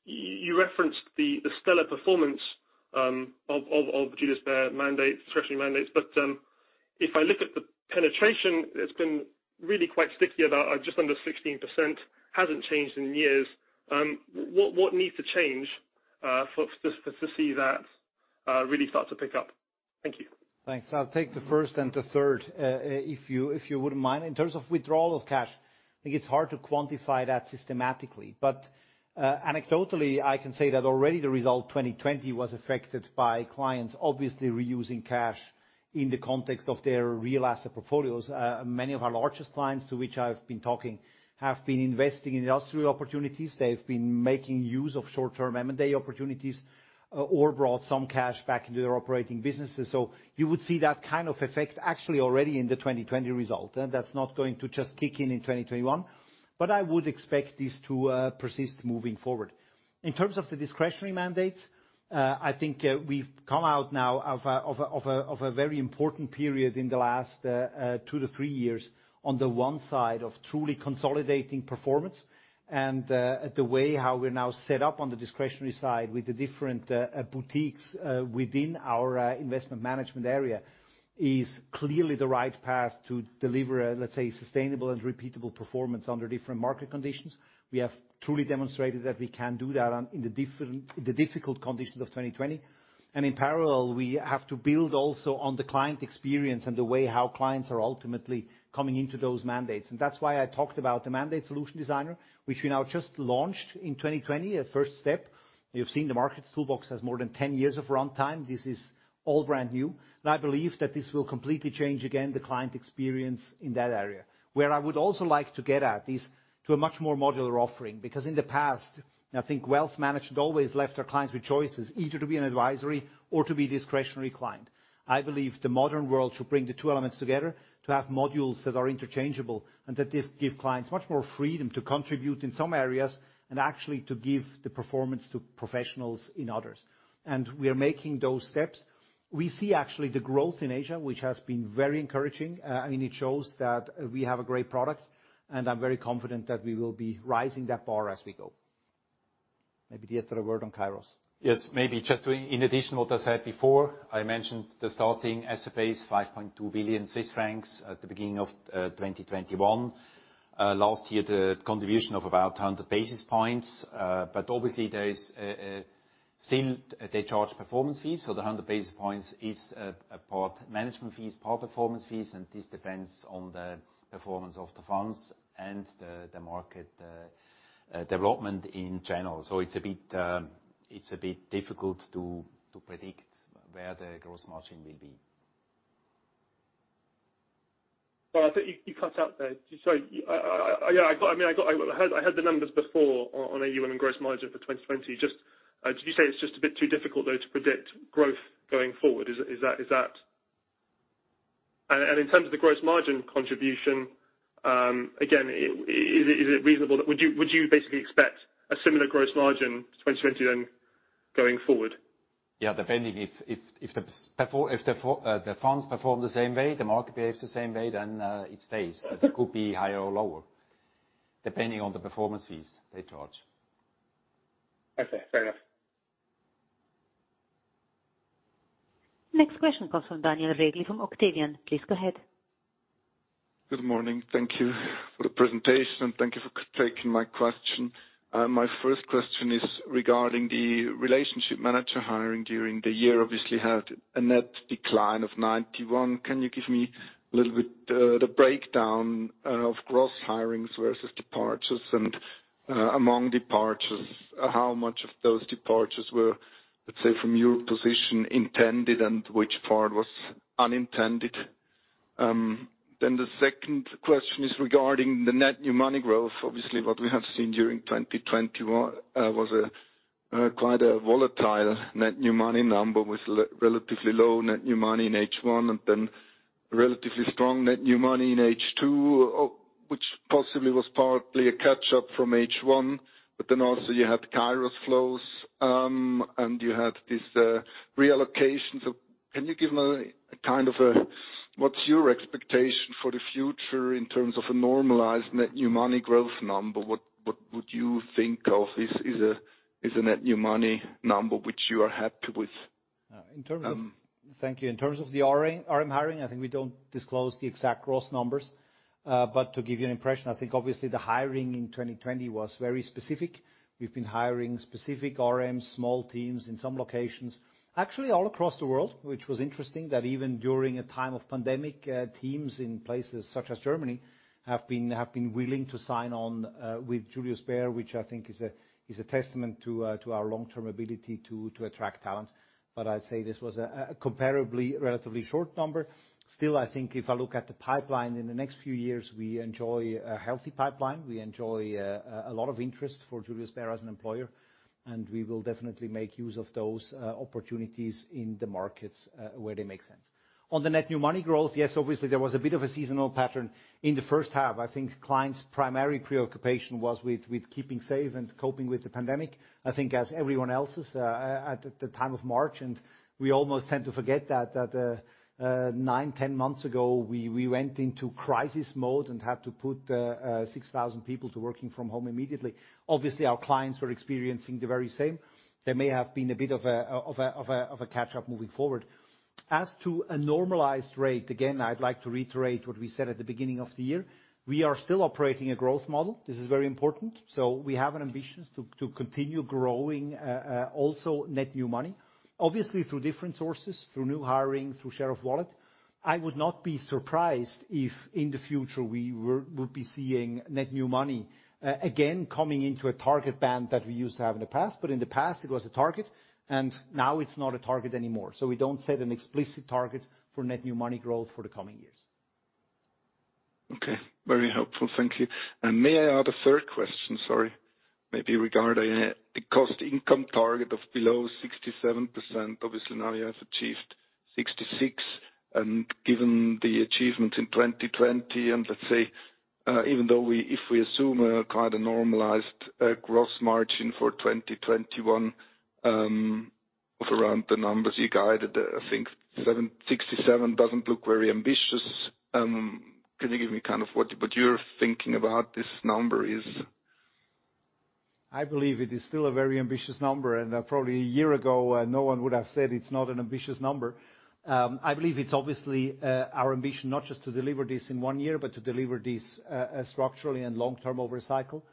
You referenced the stellar performance of Julius Baer mandates, discretionary mandates. If I look at the penetration, it's been really quite sticky about just under 16%, hasn't changed in years. What needs to change for to see that really start to pick up. Thank you. Thanks. I'll take the first and the third, if you wouldn't mind. In terms of withdrawal of cash, I think it's hard to quantify that systematically. Anecdotally, I can say that already the result 2020 was affected by clients obviously reusing cash in the context of their real asset portfolios. Many of our largest clients to which I've been talking have been investing in industrial opportunities. They've been making use of short-term M&A opportunities, or brought some cash back into their operating businesses. You would see that kind of effect actually already in the 2020 result, and that's not going to just kick in in 2021. I would expect this to persist moving forward. In terms of the discretionary mandates, I think, we've come out now of a very important period in the last two to three years on the one side of truly consolidating performance. The way how we're now set up on the discretionary side with the different boutiques within our investment management area is clearly the right path to deliver, let's say, sustainable and repeatable performance under different market conditions. We have truly demonstrated that we can do that in the difficult conditions of 2020. In parallel, we have to build also on the client experience and the way how clients are ultimately coming into those mandates. That's why I talked about the Mandate Solution Designer, which we now just launched in 2020, a first step. You've seen the Markets Toolbox has more than 10 years of runtime. This is all brand new. I believe that this will completely change again the client experience in that area. Where I would also like to get at is to a much more modular offering. In the past, I think wealth management always left our clients with choices, either to be an advisory or to be discretionary client. I believe the modern world should bring the two elements together to have modules that are interchangeable and that give clients much more freedom to contribute in some areas and actually to give the performance to professionals in others. We are making those steps. We see actually the growth in Asia, which has been very encouraging. I mean, it shows that we have a great product, and I'm very confident that we will be raising that bar as we go. Maybe Dieter a word on Kairos. Yes. Maybe just in addition what I said before, I mentioned the starting asset base, 5.2 billion Swiss francs at the beginning of 2021. Last year, the contribution of about 100 basis points. But obviously, there is still they charge performance fees, so the 100 basis points is a part management fees, part performance fees, and this depends on the performance of the funds and the market development in general. It's a bit, it's a bit difficult to predict where the gross margin will be. Well, I think you cut out there. I mean, I heard the numbers before on AUM and gross margin for 2020. Just, did you say it's just a bit too difficult, though, to predict growth going forward? Is that? In terms of the gross margin contribution, again, is it reasonable that Would you basically expect a similar gross margin to 2020 then going forward? Yeah, depending if the funds perform the same way, the market behaves the same way, then it stays. It could be higher or lower, depending on the performance fees they charge. Okay, fair enough. Next question comes from Daniel Regli from Octavian. Please go ahead. Good morning. Thank you for the presentation, and thank you for taking my question. My first question is regarding the Relationship Manager hiring during the year, obviously had a net decline of 91. Can you give me a little bit the breakdown of gross hirings versus departures? Among departures, how much of those departures were, let's say from your position, intended, and which part was unintended? The second question is regarding the net new money growth. Obviously, what we have seen during 2020 was quite a volatile net new money number with relatively low net new money in H1 and then relatively strong net new money in H2, which possibly was partly a catch-up from H1. Also you had Kairos flows, and you had this reallocation. Can you give me kind of a, what's your expectation for the future in terms of a normalized net new money growth number? What would you think of is a net new money number which you are happy with? Uh, in terms of- Thank you. In terms of the RM hiring, I think we don't disclose the exact gross numbers. To give you an impression, I think obviously the hiring in 2020 was very specific. We've been hiring specific RMs, small teams in some locations, actually all across the world, which was interesting that even during a time of pandemic, teams in places such as Germany have been willing to sign on with Julius Baer, which I think is a testament to our long-term ability to attract talent. I'd say this was a comparably relatively short number. I think if I look at the pipeline in the next few years, we enjoy a healthy pipeline. We enjoy a lot of interest for Julius Baer as an employer, and we will definitely make use of those opportunities in the markets where they make sense. On the net new money growth, yes, obviously, there was a bit of a seasonal pattern in the first half. I think clients' primary preoccupation was with keeping safe and coping with the pandemic. I think as everyone else's at the time of March, and we almost tend to forget that nine, 10 months ago, we went into crisis mode and had to put 6,000 people to working from home immediately. Obviously, our clients were experiencing the very same. There may have been a bit of a catch-up moving forward. As to a normalized rate, again, I'd like to reiterate what we said at the beginning of the year. We are still operating a growth model. This is very important. We have an ambition to continue growing also net new money. Obviously, through different sources, through new hiring, through share of wallet. I would not be surprised if in the future we would be seeing net new money again, coming into a target band that we used to have in the past, but in the past, it was a target, and now it's not a target anymore. We don't set an explicit target for net new money growth for the coming years. Okay. Very helpful. Thank you. May I add a third question? Sorry. Maybe regarding the cost income target of below 67%. Obviously, now you have achieved 66, and given the achievements in 2020, and let's say, even though if we assume a kind of normalized gross margin for 2021, of around the numbers you guided, I think 67% doesn't look very ambitious. Can you give me kind of what you're thinking about this number is? I believe it is still a very ambitious number, and probably one year ago, no one would have said it's not an ambitious number. I believe it's obviously our ambition, not just to deliver this in one year, but to deliver this structurally and long-term over a cycle.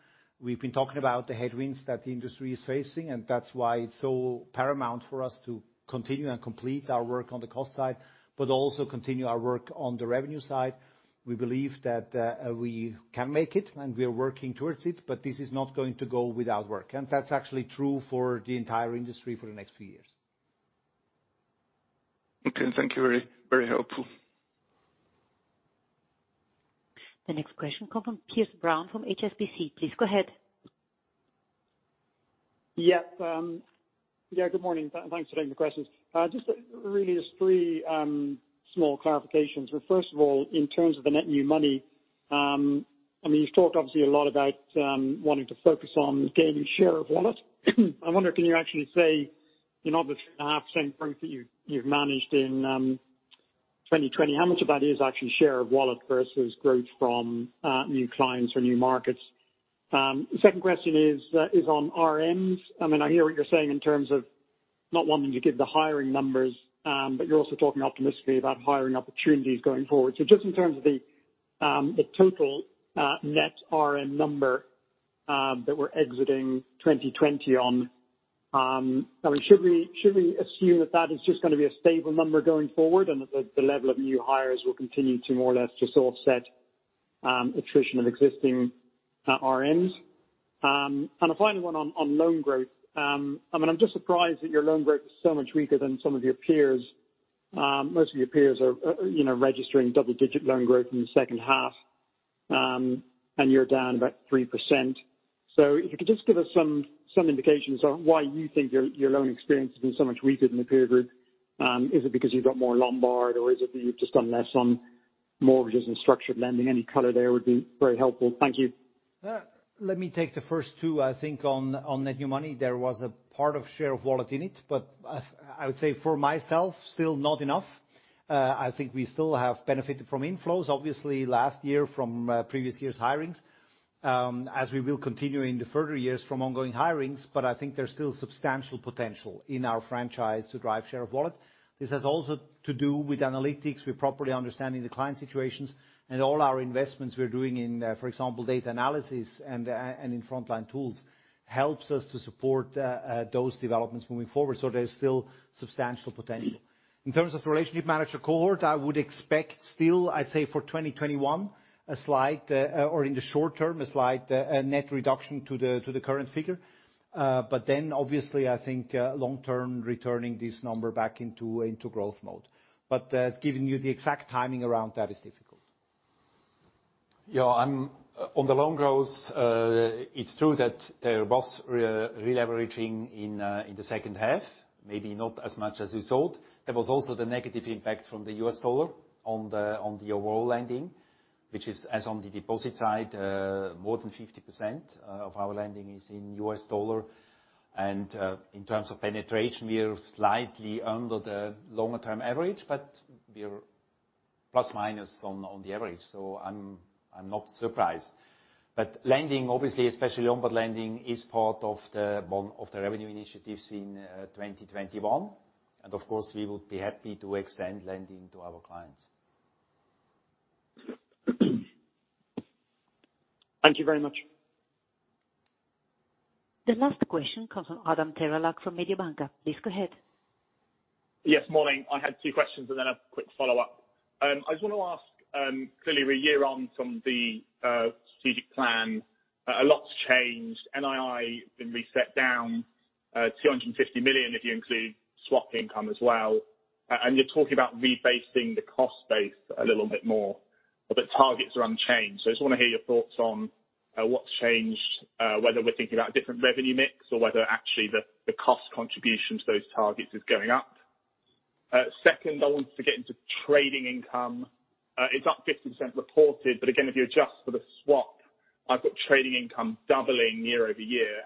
We've been talking about the headwinds that the industry is facing, and that's why it's so paramount for us to continue and complete our work on the cost side, but also continue our work on the revenue side. We believe that we can make it, and we are working towards it, but this is not going to go without work. That's actually true for the entire industry for the next few years. Okay. Thank you. Very, very helpful. The next question comes from Piers Brown from HSBC. Please go ahead. Good morning. Thanks for taking the questions. Just really just three small clarifications. First of all, in terms of the net new money, I mean, you've talked obviously a lot about wanting to focus on gaining share of wallet. I wonder, can you actually say, you know, the 3.5% growth that you've managed in 2020, how much of that is actually share of wallet versus growth from new clients or new markets? The second question is on RMs. I mean, I hear what you're saying in terms of not wanting to give the hiring numbers, but you're also talking optimistically about hiring opportunities going forward. Just in terms of the total net RM number that we're exiting 2020 on, I mean, should we assume that that is just going to be a stable number going forward, and that the level of new hires will continue to more or less just offset attrition of existing RMs? A final one on loan growth. I mean, I'm just surprised that your loan growth is so much weaker than some of your peers. Most of your peers are, you know, registering double-digit loan growth in the second half, and you're down about 3%. If you could just give us some indications on why you think your loan experience has been so much weaker than the peer group. Is it because you've got more Lombard, or is it that you've just done less on mortgages and structured lending? Any color there would be very helpful. Thank you. Let me take the first two. I think on net new money, there was a part of share of wallet in it, but I would say for myself, still not enough. I think we still have benefited from inflows, obviously last year from previous years' hirings, as we will continue in the further years from ongoing hirings, but I think there's still substantial potential in our franchise to drive share of wallet. This has also to do with analytics. We're properly understanding the client situations and all our investments we're doing in, for example, data analysis and in frontline tools, helps us to support those developments moving forward. There's still substantial potential. In terms of relationship manager cohort, I would expect still, I'd say for 2021, a slight, or in the short term, a slight, net reduction to the current figure. Obviously, I think, long term, returning this number back into growth mode. Giving you the exact timing around that is difficult. On the loan growth, it's true that there was releveraging in the second half, maybe not as much as we thought. There was also the negative impact from the U.S. dollar on the overall lending, which is as on the deposit side, more than 50% of our lending is in U.S. dollar. In terms of penetration, we're slightly under the longer term average, but we're plus minus on the average, so I'm not surprised. Lending, obviously, especially Lombard lending, is part of the revenue initiatives in 2021. Of course, we would be happy to extend lending to our clients. Thank you very much. The last question comes from Adam Terelak from Mediobanca. Please go ahead. Yes. Morning. I had two questions and then a quick follow-up. I just wanna ask, clearly we're a year on from the strategic plan. A lot's changed. NII been reset down 250 million, if you include swap income as well. You're talking about rebasing the cost base a little bit more, targets are unchanged. I just wanna hear your thoughts on what's changed, whether we're thinking about a different revenue mix or whether actually the cost contribution to those targets is going up. Second, I wanted to get into trading income. It's up 50% reported. Again, if you adjust for the swap, I've got trading income doubling year-over-year.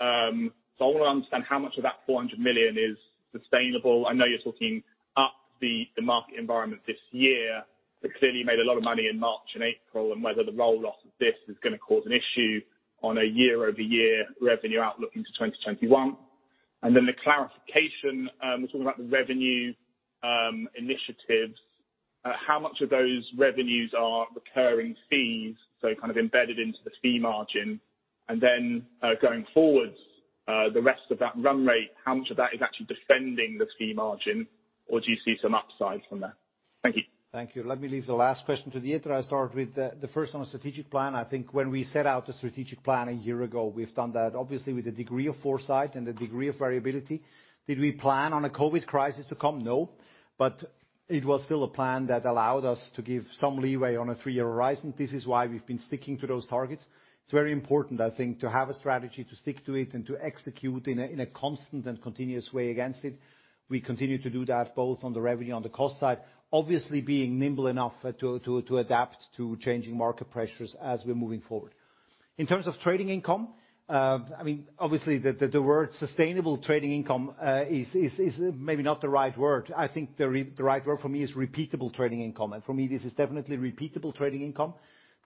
I wanna understand how much of that 400 million is sustainable. I know you're talking up the market environment this year, but clearly you made a lot of money in March and April, and whether the roll-off of this is gonna cause an issue on a year-over-year revenue outlook into 2021. The clarification, talking about the revenue, initiatives, how much of those revenues are recurring fees, so kind of embedded into the fee margin? Going forwards, the rest of that run rate, how much of that is actually defending the fee margin, or do you see some upside from that? Thank you. Thank you. Let me leave the last question to Dieter. I start with the first one on strategic plan. I think when we set out the strategic plan a year ago, we've done that obviously with a degree of foresight and a degree of variability. Did we plan on a COVID crisis to come? No. It was still a plan that allowed us to give some leeway on a three-year horizon. This is why we've been sticking to those targets. It's very important, I think, to have a strategy, to stick to it, and to execute in a constant and continuous way against it. We continue to do that both on the revenue and the cost side. Obviously, being nimble enough to adapt to changing market pressures as we're moving forward. In terms of trading income, I mean, obviously, the word sustainable trading income is maybe not the right word. I think the right word for me is repeatable trading income. For me, this is definitely repeatable trading income.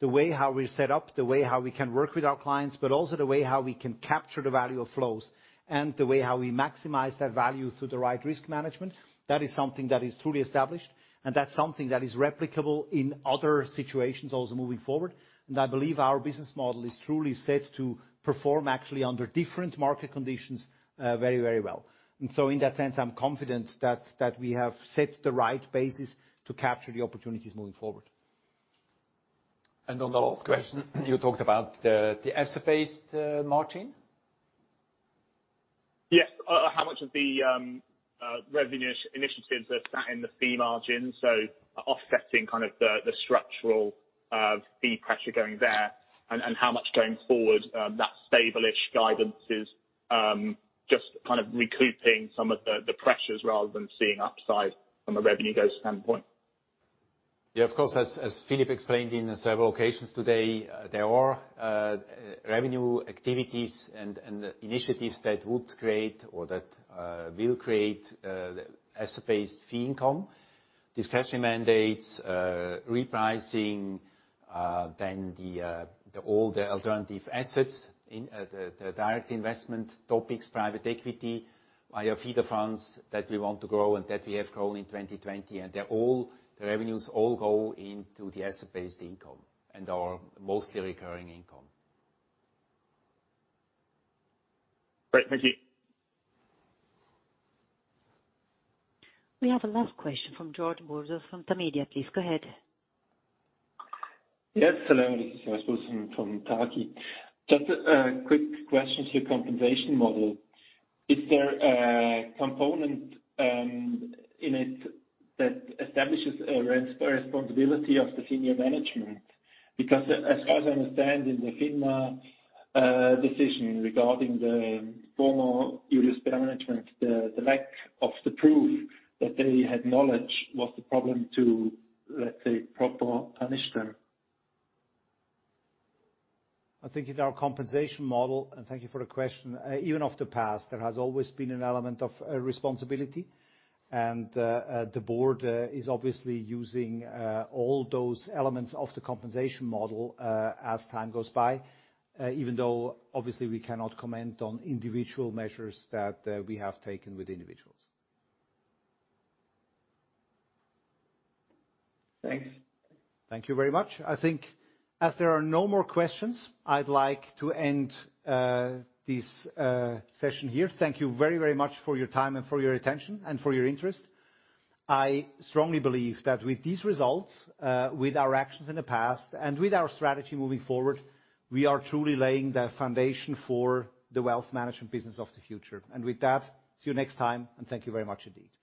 The way how we're set up, the way how we can work with our clients, but also the way how we can capture the value of flows, and the way how we maximize that value through the right risk management. That is something that is truly established, and that's something that is replicable in other situations also moving forward. I believe our business model is truly set to perform actually under different market conditions, very well. In that sense, I'm confident that we have set the right basis to capture the opportunities moving forward. On the last question, you talked about the asset-based margin. Yes. How much of the revenue initiatives are sat in the fee margin, so offsetting kind of the structural fee pressure going there, how much going forward that stable-ish guidance is just kind of recouping some of the pressures rather than seeing upside from a revenue growth standpoint? Yeah, of course, as Philipp explained in several occasions today, there are revenue activities and initiatives that would create or that will create asset-based fee income. Discretionary mandates, repricing, then the older alternative assets in the direct investment topics, private equity, via feeder funds that we want to grow and that we have grown in 2020. The revenues all go into the asset-based income and are mostly recurring income. Great. Thank you. We have a last question from [George Busby from the media]. Please, go ahead. Yes. Hello, this is [George Busby from Target]. Just a quick question to your compensation model. Is there a component in it that establishes a responsibility of the senior management? As far as I understand in the FINMA decision regarding the former Julius Baer management, the lack of the proof that they had knowledge was the problem to, let's say, proper punish them. I think in our compensation model, and thank you for the question, even of the past, there has always been an element of responsibility. The board is obviously using all those elements of the compensation model as time goes by, even though obviously we cannot comment on individual measures that we have taken with individuals. Thanks. Thank you very much. I think as there are no more questions, I'd like to end this session here. Thank you very, very much for your time and for your attention and for your interest. I strongly believe that with these results, with our actions in the past, and with our strategy moving forward, we are truly laying the foundation for the wealth management business of the future. With that, see you next time, and thank you very much indeed.